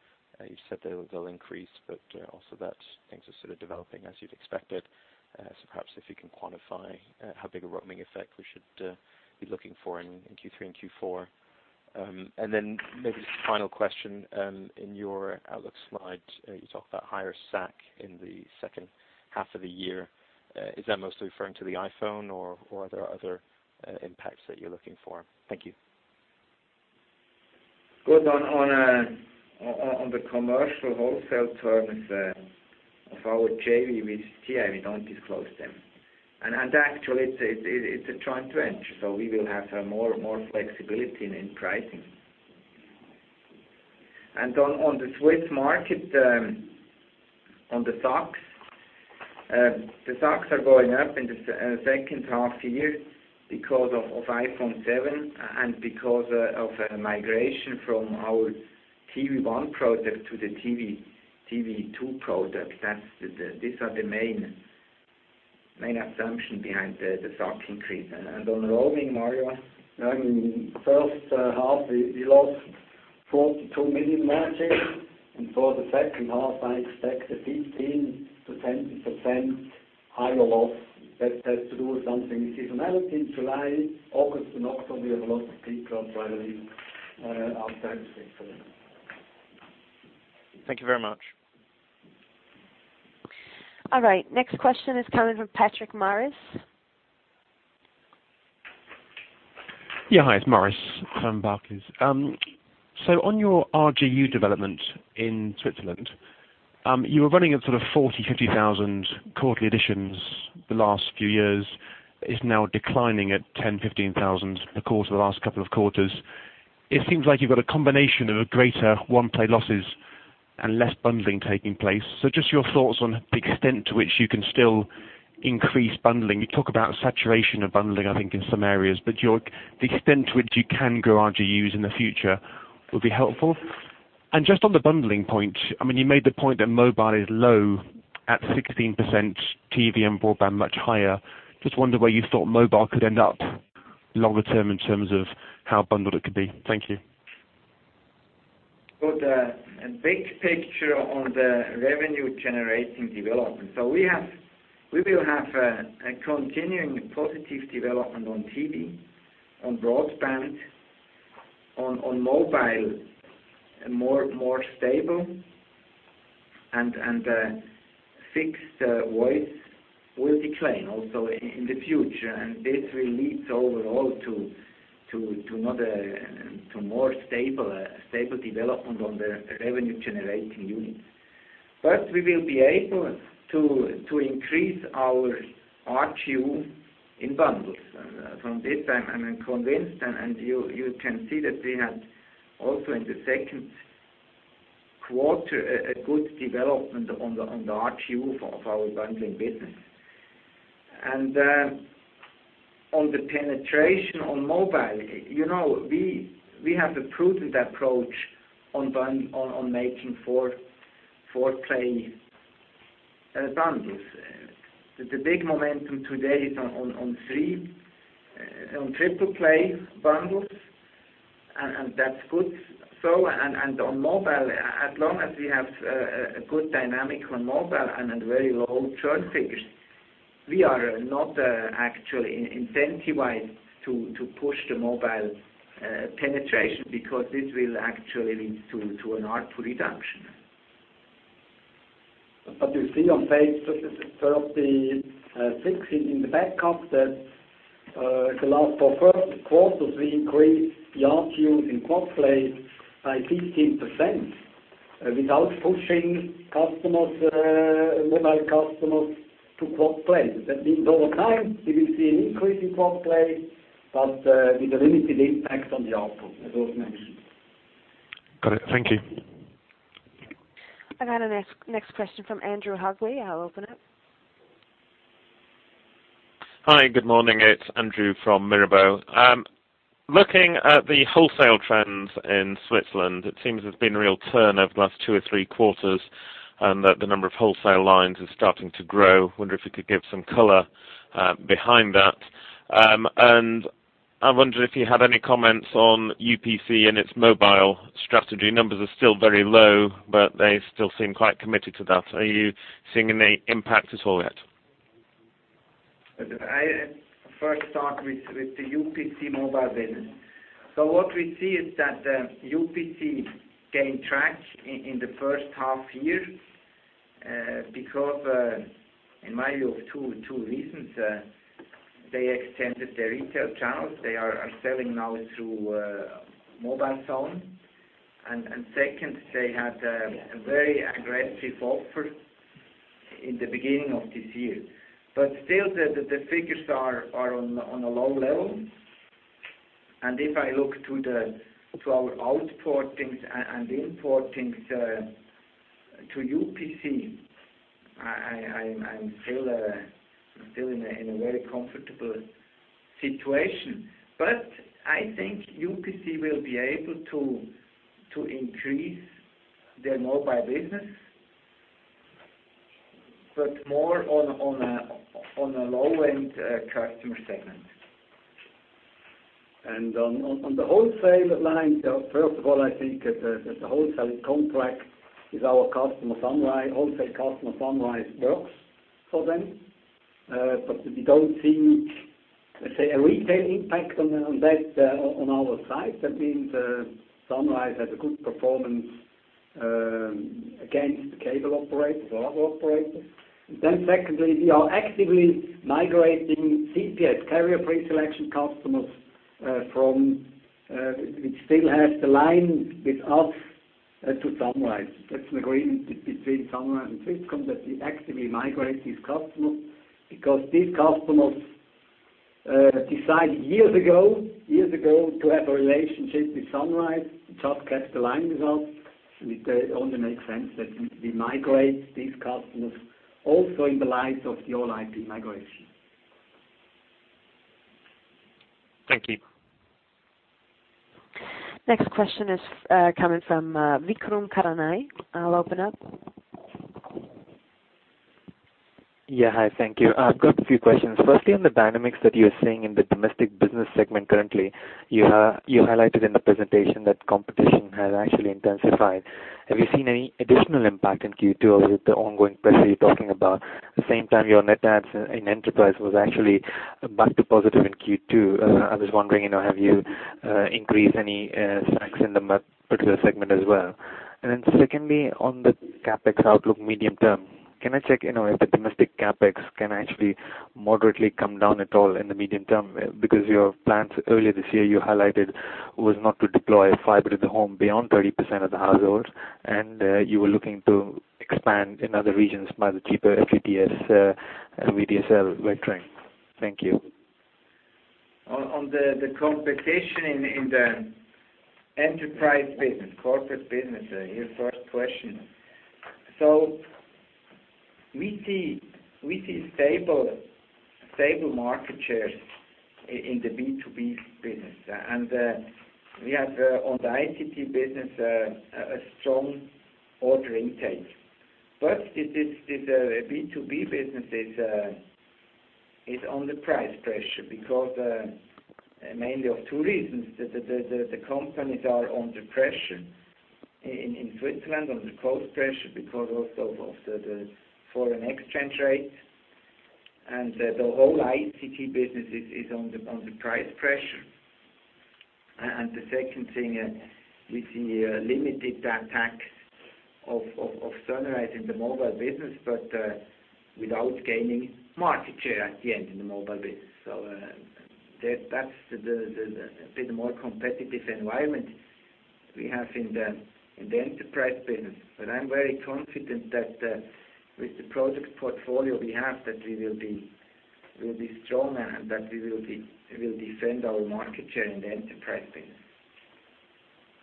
You said they'll increase, but also that things are developing as you'd expected. Perhaps if you can quantify how big a roaming effect we should be looking for in Q3 and Q4. Maybe just a final question. In your outlook slide, you talk about higher SAC in the second half of the year. Is that mostly referring to the iPhone or are there other impacts that you're looking for? Thank you. Good. On the commercial wholesale terms of our JV with TI, we don't disclose them. Actually, it's a joint venture, so we will have more flexibility in pricing. On the Swiss market, on the SACs. The SACs are going up in the second half year because of iPhone 7 and because of a migration from our TV1 product to the TV2 product. These are the main assumptions behind the SAC increase. On roaming, Mario. In the first half, we lost 42 million matches, for the second half, I expect a 15%-10% higher loss. That has to do with something seasonal in July. August to November, we have a lot of people traveling outside of Switzerland. Thank you very much. Right. Next question is coming from Maurice Patrick. Hi, it's Maurice from Barclays. On your RGU development in Switzerland, you were running at 40,000, 50,000 quarterly additions the last few years. It's now declining at 10,000, 15,000 per quarter the last couple of quarters. It seems like you've got a combination of greater one-play losses and less bundling taking place. Just your thoughts on the extent to which you can still increase bundling. You talk about saturation of bundling, I think, in some areas, but the extent to which you can grow RGUs in the future would be helpful. Just on the bundling point, you made the point that mobile is low at 16%, TV and broadband much higher. Just wonder where you thought mobile could end up longer term in terms of how bundled it could be. Thank you. Good. A big picture on the revenue-generating development. We will have a continuing positive development on TV, on broadband, on mobile, more stable, and fixed voice will decline also in the future. This will lead overall to more stable development on the revenue-generating units. We will be able to increase our RGU in bundles. From this, I'm convinced, and you can see that we had also in the second quarter a good development on the RGU of our bundling business. On the penetration on mobile, we have a prudent approach on making four-play bundles. The big momentum today is on triple-play bundles, and that's good. On mobile, as long as we have a good dynamic on mobile and very low churn figures, we are not actually incentivized to push the mobile penetration because this will actually lead to an ARPU reduction. You see on page 36 in the backup that for the first quarters, we increased the RGUs in quad-play by 15% without pushing mobile customers to quad-play. That means over time, we will see an increase in quad-play, but with a limited impact on the ARPU, as Urs mentioned. Got it. Thank you. I got the next question from Andrew Hugley. I'll open it. Hi. Good morning. It's Andrew from Mirabaud. Looking at the wholesale trends in Switzerland, it seems there's been a real turn over the last two or three quarters, and that the number of wholesale lines is starting to grow. Wonder if you could give some color behind that. And I wonder if you have any comments on UPC and its mobile strategy. Numbers are still very low, but they still seem quite committed to that. Are you seeing any impact at all yet? I first start with the UPC mobile business. What we see is that UPC gained traction in the first half year because, in my view, of two reasons. They extended their retail channels. They are selling now through mobilezone. Second, they had a very aggressive offer in the beginning of this year. Still, the figures are on a low level. If I look to our outportings and importings to UPC I'm still in a very comfortable situation. I think UPC will be able to increase their mobile business, but more on a low-end customer segment. On the wholesale line, first of all, I think that the wholesale contract with our wholesale customer Sunrise works for them. We don't see, let's say, a retail impact on that on our side. Sunrise has a good performance against the cable operator or other operators. Secondly, we are actively migrating CPS, carrier pre-selection customers which still have the line with us to Sunrise. That's an agreement between Sunrise and Swisscom, that we actively migrate these customers because these customers decided years ago to have a relationship with Sunrise, just kept the line with us. It only makes sense that we migrate these customers also in the light of the All IP migration. Thank you. Next question is coming from Vikrum Karanai. I'll open up. Hi, thank you. I have got a few questions. Firstly, on the dynamics that you are seeing in the domestic business segment currently. You highlighted in the presentation that competition has actually intensified. Have you seen any additional impact in Q2, or was it the ongoing pressure you are talking about? At the same time, your net adds in enterprise was actually back to positive in Q2. I was wondering, have you increased any SACs in the particular segment as well? Secondly, on the CapEx outlook medium term, can I check if the domestic CapEx can actually moderately come down at all in the medium term? Because your plans earlier this year, you highlighted, was not to deploy fiber to the home beyond 30% of the households. You were looking to expand in other regions by the cheaper FTTS and VDSL vectoring. Thank you. On the competition in the enterprise business, corporate business, your first question. We see stable market shares in the B2B business. We have on the ICT business a strong order intake. The B2B business is under price pressure mainly of two reasons. The companies are under pressure in Switzerland, under cost pressure because also of the foreign exchange rate. The whole ICT business is under price pressure. The second thing, we see a limited attack of Sunrise in the mobile business, but without gaining market share at the end in the mobile business. That's the bit more competitive environment we have in the enterprise business. I am very confident that with the project portfolio we have, that we will be stronger and that we will defend our market share in the enterprise business.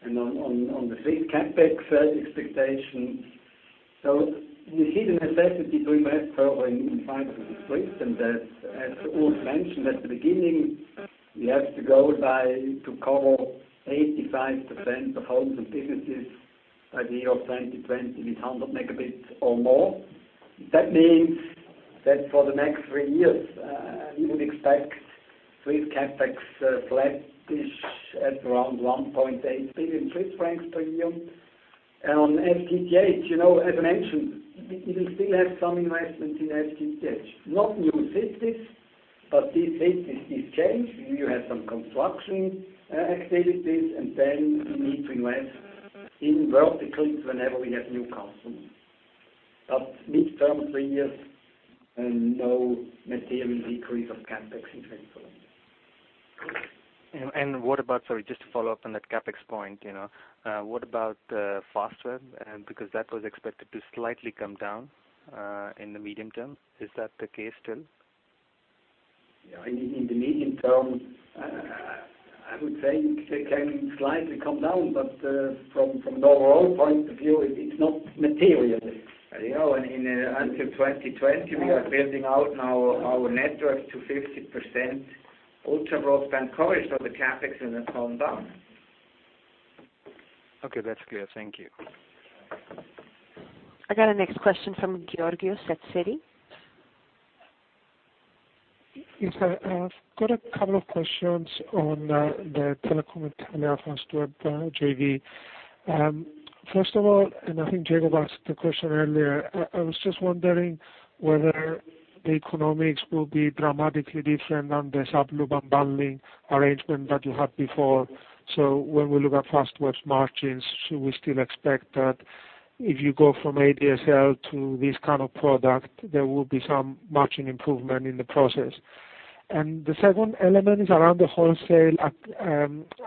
On the Swiss CapEx expectations. We see the necessity to invest further in fiber to the street. As Urs mentioned at the beginning, we have to go by to cover 85% of homes and businesses by the year 2020 with 100 megabits or more. That means that for the next three years, we would expect Swiss CapEx flattish at around 1.8 billion Swiss francs per year. On FTTH, as I mentioned, we will still have some investments in FTTH. Not new systems, but these systems is changed. You have some construction activities, you need to invest in verticals whenever we have new customers. Midterm three years, no material decrease of CapEx in Switzerland. What about, sorry, just to follow up on that CapEx point. What about Fastweb? That was expected to slightly come down in the medium term. Is that the case still? In the medium term, I would say it can slightly come down, but from the overall point of view, it's not material. Until 2020, we are building out our network to 50% ultra-broadband coverage, so the CapEx will not come down. Okay, that's clear. Thank you. I got a next question from Georgios Ierodiaconou. Yes. I've got a couple of questions on the Telecom Italia-Fastweb JV. First of all, I think Jakob asked the question earlier. I was just wondering whether the economics will be dramatically different than the sub-loop unbundling arrangement that you had before. When we look at Fastweb's margins, should we still expect that if you go from ADSL to this kind of product, there will be some margin improvement in the process? The second element is around the wholesale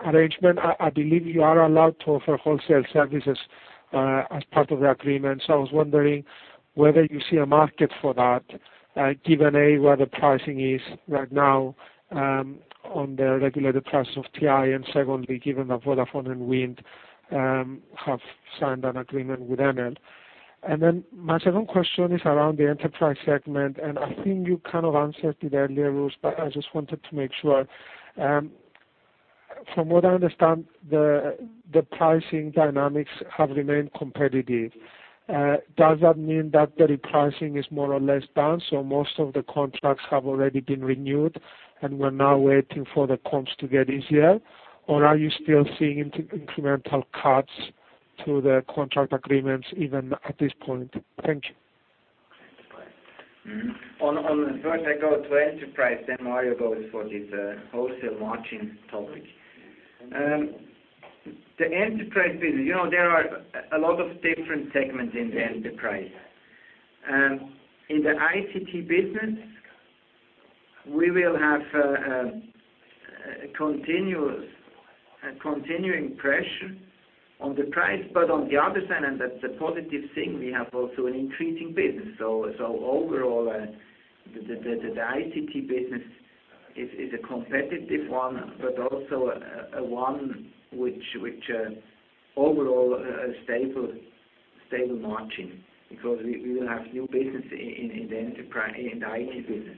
arrangement. I believe you are allowed to offer wholesale services as part of the agreement. I was wondering whether you see a market for that, given, A, where the pricing is right now on the regulated prices of TI. Secondly, given that Vodafone and Wind have signed an agreement with Enel. My second question is around the enterprise segment, and I think you kind of answered it earlier, Urs, but I just wanted to make sure. From what I understand, the pricing dynamics have remained competitive. Does that mean that the repricing is more or less done, so most of the contracts have already been renewed, and we're now waiting for the comps to get easier? Are you still seeing incremental cuts to the contract agreements even at this point? Thank you. On first I go to enterprise, then Mario goes for this wholesale margin topic. The enterprise business, there are a lot of different segments in the enterprise. In the ICT business, we will have a continuing pressure on the price. On the other side, and that's a positive thing, we have also an increasing business. Overall, the ICT business is a competitive one, but also one which overall stable margin, because we will have new business in the ICT business.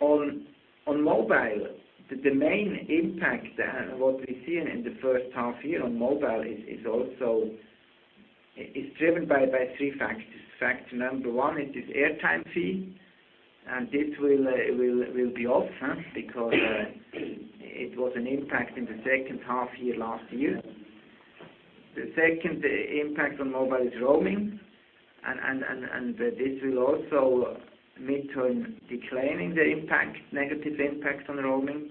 On mobile, the main impact, what we see in the first half-year on mobile is driven by three factors. Factor number 1 is this airtime fee, and this will be off because it was an impact in the second half-year last year. The second impact on mobile is roaming, and this will also midterm declining the negative impact on roaming.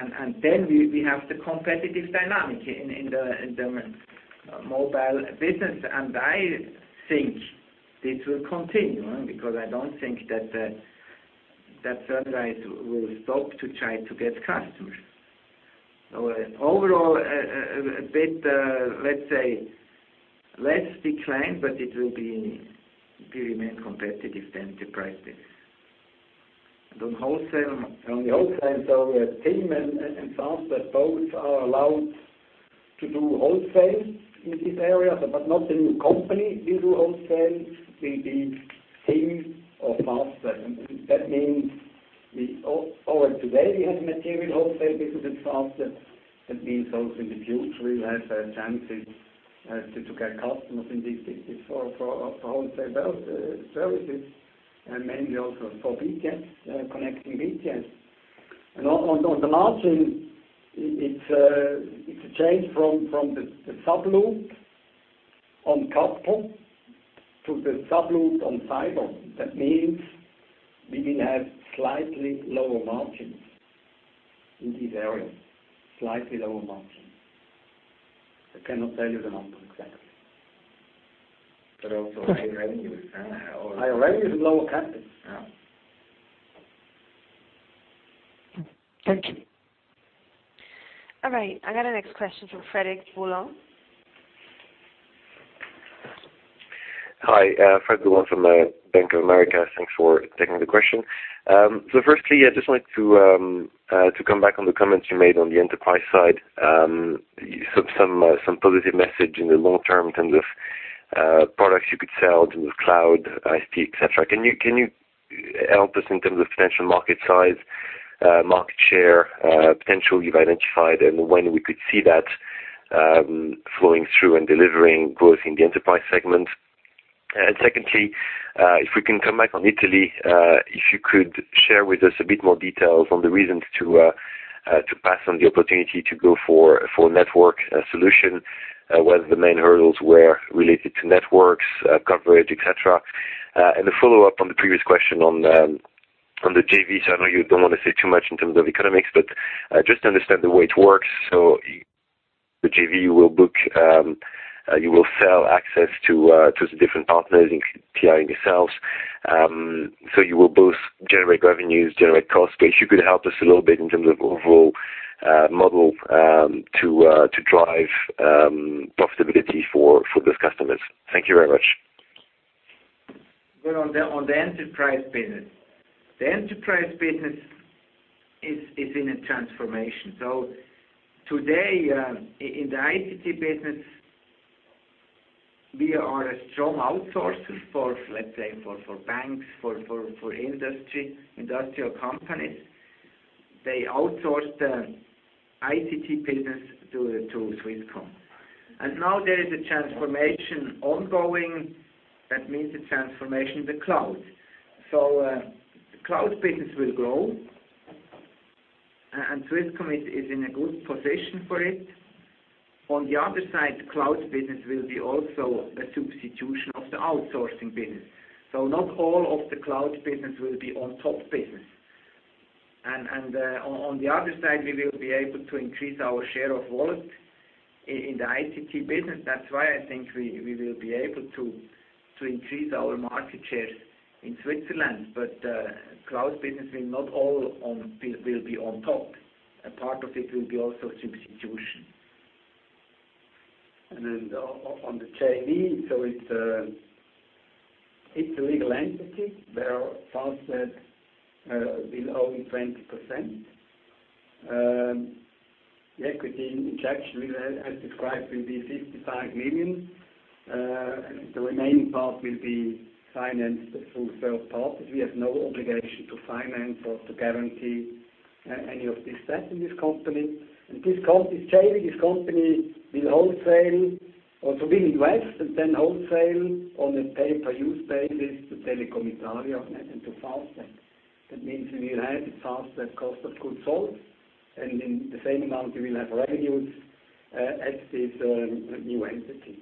We have the competitive dynamic in the mobile business. I think this will continue, because I don't think that Sunrise will stop to try to get customers. Overall, let's say less decline, but it will remain competitive, the enterprise business. On wholesale? On the wholesale, TIM and Fastweb both are allowed to do wholesale in this area, but not the new company will do wholesale, will be TIM or Fastweb. That means we already today we have a material wholesale business with Fastweb. That means also in the future, we will have chances to get customers in these business for wholesale services, and mainly also for connecting BTS. On the margin, it's a change from the sub-loop on cabinet level to the sub-loop on street level. That means we will have slightly lower margins in this area. Slightly lower margin. Also high revenue. High revenue from lower CapEx. Yeah. Thank you. All right, I got a next question from Fred Boulan. Hi, Fred Boulan from Bank of America. Thanks for taking the question. Firstly, I'd just like to come back on the comments you made on the enterprise side. Some positive message in the long term in terms of products you could sell in terms of cloud, IT, et cetera. Can you help us in terms of potential market size, market share, potential you've identified, and when we could see that flowing through and delivering growth in the enterprise segment? Secondly, if we can come back on Italy, if you could share with us a bit more details on the reasons to pass on the opportunity to go for network solution, what the main hurdles were related to networks, coverage, et cetera. The follow-up on the previous question on the JV. I know you don't want to say too much in terms of economics, but just to understand the way it works. The JV, you will sell access to the different partners in TI and yourselves. You will both generate revenues, generate cost base. You could help us a little bit in terms of overall model to drive profitability for those customers. Thank you very much. Well, on the enterprise business. The enterprise business is in a transformation. Today, in the ICT business, we are a strong outsourcer for, let's say, for banks, for industrial companies. They outsource the ICT business to Swisscom. Now there is a transformation ongoing. That means a transformation in the cloud. Cloud business will grow, and Swisscom is in a good position for it. On the other side, cloud business will be also a substitution of the outsourcing business. Not all of the cloud business will be on top business. On the other side, we will be able to increase our share of wallet in the ICT business. That's why I think we will be able to increase our market share in Switzerland. Cloud business will not all will be on top. A part of it will be also substitution. On the JV, It's a legal entity where Fastweb will own 20%. The equity injection, as described, will be 55 million. The remaining part will be financed through third parties. We have no obligation to finance or to guarantee any of this debt in this company. This company will wholesale or to be invested, then wholesale on a pay-per-use basis to Telecom Italia and to Fastweb. That means we will have Fastweb cost of goods sold, and in the same amount, we will have revenues at this new entity.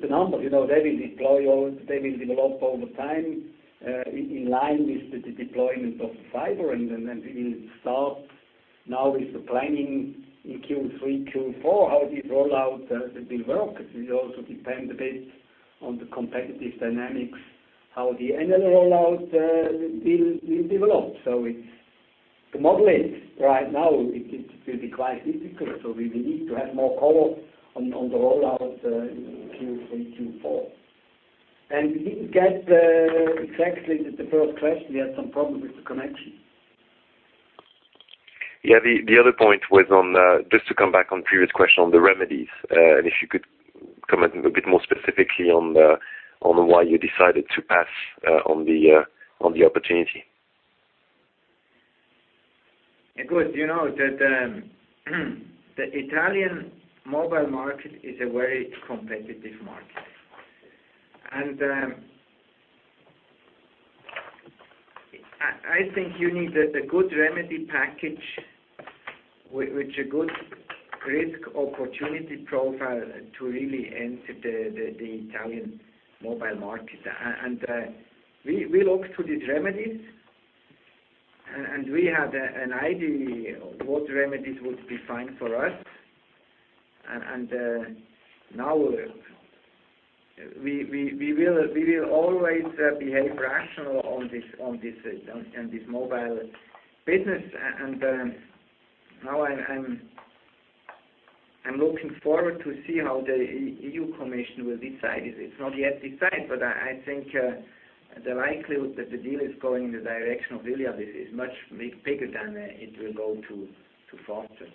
The numbers, they will develop over time in line with the deployment of the fiber. We will start now with the planning in Q3, Q4, how this rollout will work. It will also depend a bit on the competitive dynamics, how the NL rollout will develop. To model it right now, it will be quite difficult. We will need to have more color on the rollout in Q3, Q4. We didn't get exactly the first question. We had some problem with the connection. The other point was on, just to come back on previous question on the remedies. If you could comment a bit more specifically on why you decided to pass on the opportunity. The Italian mobile market is a very competitive market. I think you need a good remedy package with a good risk opportunity profile to really enter the Italian mobile market. We looked to these remedies, and we had an idea what remedies would be fine for us. Now we will always behave rational in this mobile business. Now I'm looking forward to see how the European Commission will decide. It's not yet decided, I think the likelihood that the deal is going in the direction of Iliad is much bigger than it will go to Fastweb.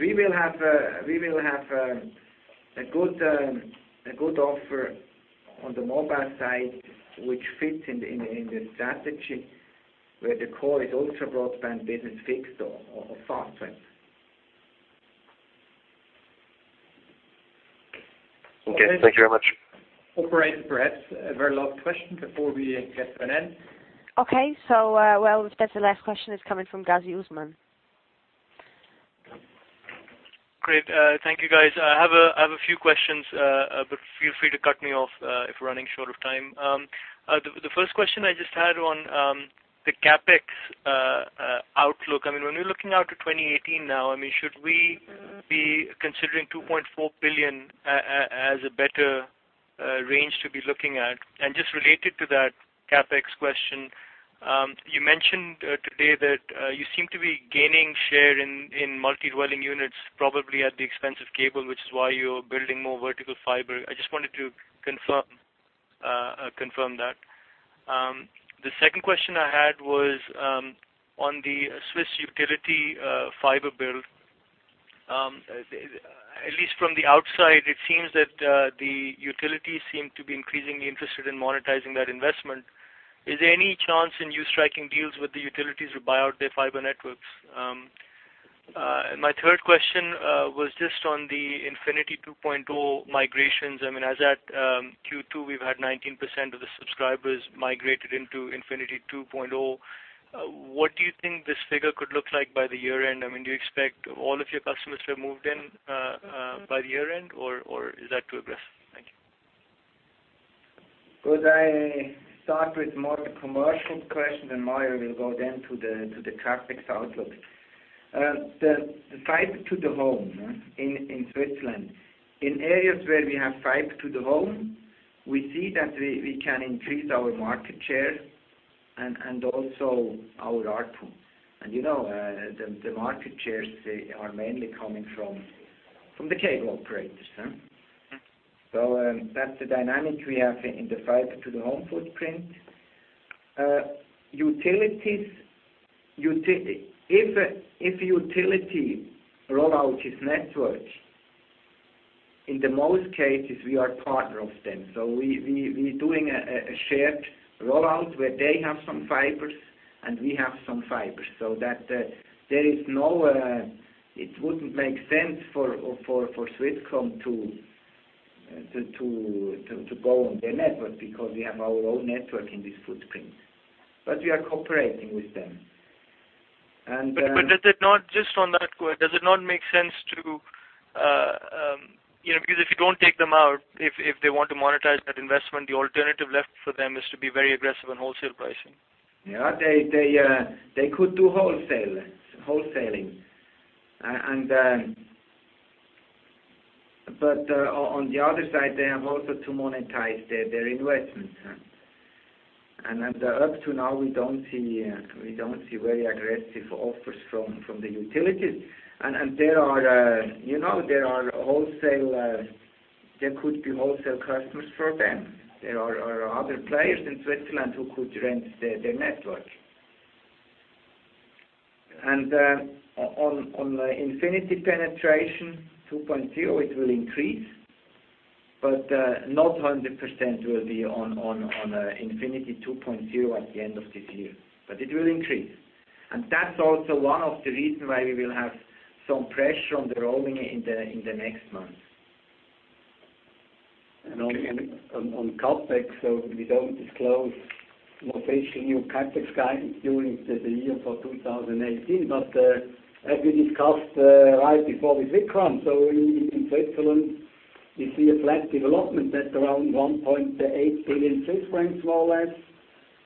We will have a good offer on the mobile side, which fits in the strategy where the core is also broadband business fixed or Fastweb. Thank you very much. Operator, perhaps a very last question before we get to an end. Okay. Well, that's the last question. It's coming from Usman Ghazi. Great. Thank you, guys. I have a few questions. Feel free to cut me off if we're running short of time. The first question I just had on the CapEx outlook. When we're looking out to 2018 now, should we be considering 2.4 billion as a better range to be looking at? Just related to that CapEx question, you mentioned today that you seem to be gaining share in multi-dwelling units, probably at the expense of cable, which is why you're building more vertical fiber. I just wanted to confirm that. The second question I had was on the Swiss utility fiber build. At least from the outside, it seems that the utilities seem to be increasingly interested in monetizing that investment. Is there any chance in you striking deals with the utilities to buy out their fiber networks? My third question was just on the Infinity 2.0 migrations. As at Q2, we've had 19% of the subscribers migrated into Infinity 2.0. What do you think this figure could look like by the year-end? Do you expect all of your customers to have moved in by the year-end, or is that too aggressive? Thank you. Could I start with more the commercial question, Mario will go then to the CapEx outlook. The fiber-to-the-home in Switzerland. In areas where we have fiber-to-the-home, we see that we can increase our market share and also our ARPU. The market shares are mainly coming from the cable operators. That's the dynamic we have in the fiber-to-the-home footprint. If a utility rollout its network, in the most cases, we are partner of them. We're doing a shared rollout where they have some fibers and we have some fibers. It wouldn't make sense for Swisscom to go on their network because we have our own network in this footprint. We are cooperating with them. Just on that, does it not make sense? Because if you don't take them out, if they want to monetize that investment, the alternative left for them is to be very aggressive on wholesale pricing. Yeah. They could do wholesaling. On the other side, they have also to monetize their investments. Up to now, we don't see very aggressive offers from the utilities. There could be wholesale customers for them. There are other players in Switzerland who could rent their network. On Natel infinity penetration 2.0, it will increase, but not 100% will be on Natel infinity 2.0 at the end of this year, but it will increase. That's also one of the reason why we will have some pressure on the roaming in the next months. On CapEx, we don't disclose officially new CapEx guidance during the year for 2018. As we discussed right before with Swisscom, in Switzerland, we see a flat development at around 1.8 billion Swiss francs, more or less,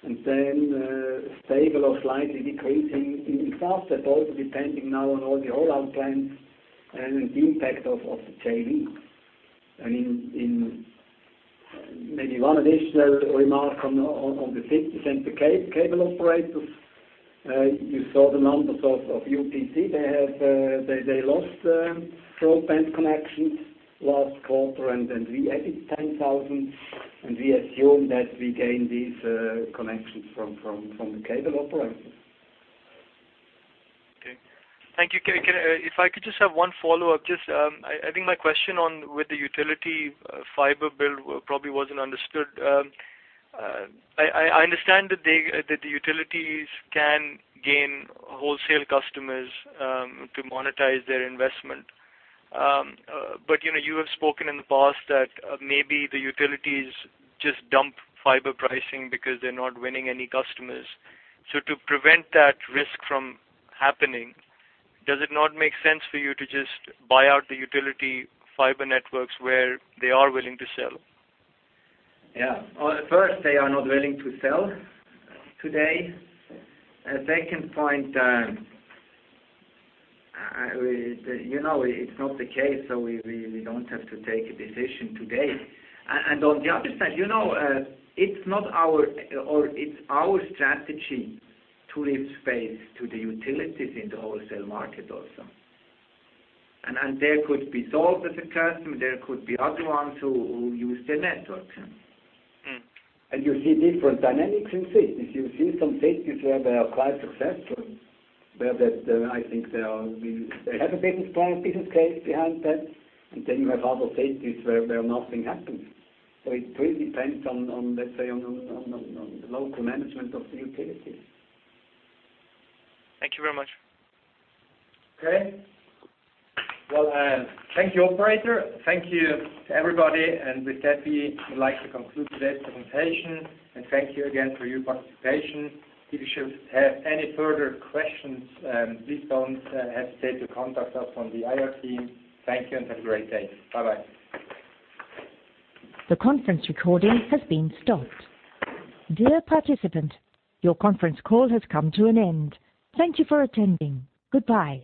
then stable or slightly decreasing in France. That also depending now on all the rollout plans and the impact of the JV. Maybe one additional remark on the cities and the cable operators. You saw the numbers of UPC. They lost broadband connections last quarter, and we added 10,000, and we assume that we gained these connections from the cable operators. Okay. Thank you. If I could just have one follow-up. I think my question on with the utility fiber build probably wasn't understood. I understand that the utilities can gain wholesale customers to monetize their investment. You have spoken in the past that maybe the utilities just dump fiber pricing because they're not winning any customers. To prevent that risk from happening, does it not make sense for you to just buy out the utility fiber networks where they are willing to sell? Yeah. First, they are not willing to sell today. Second point, it's not the case, we don't have to take a decision today. On the other side, it's our strategy to leave space to the utilities in the wholesale market also. There could be Salt as a customer, there could be other ones who use the network. You see different dynamics in cities. You see some cities where they are quite successful. Where I think they have a strong business case behind that, you have other cities where nothing happens. It really depends on the local management of the utilities. Thank you very much. Okay. Well, thank you, operator. Thank you to everybody. With that, we would like to conclude today's presentation. Thank you again for your participation. If you should have any further questions, please don't hesitate to contact us from the IR team. Thank you and have a great day. Bye-bye. The conference recording has been stopped. Dear participant, your conference call has come to an end. Thank you for attending. Goodbye.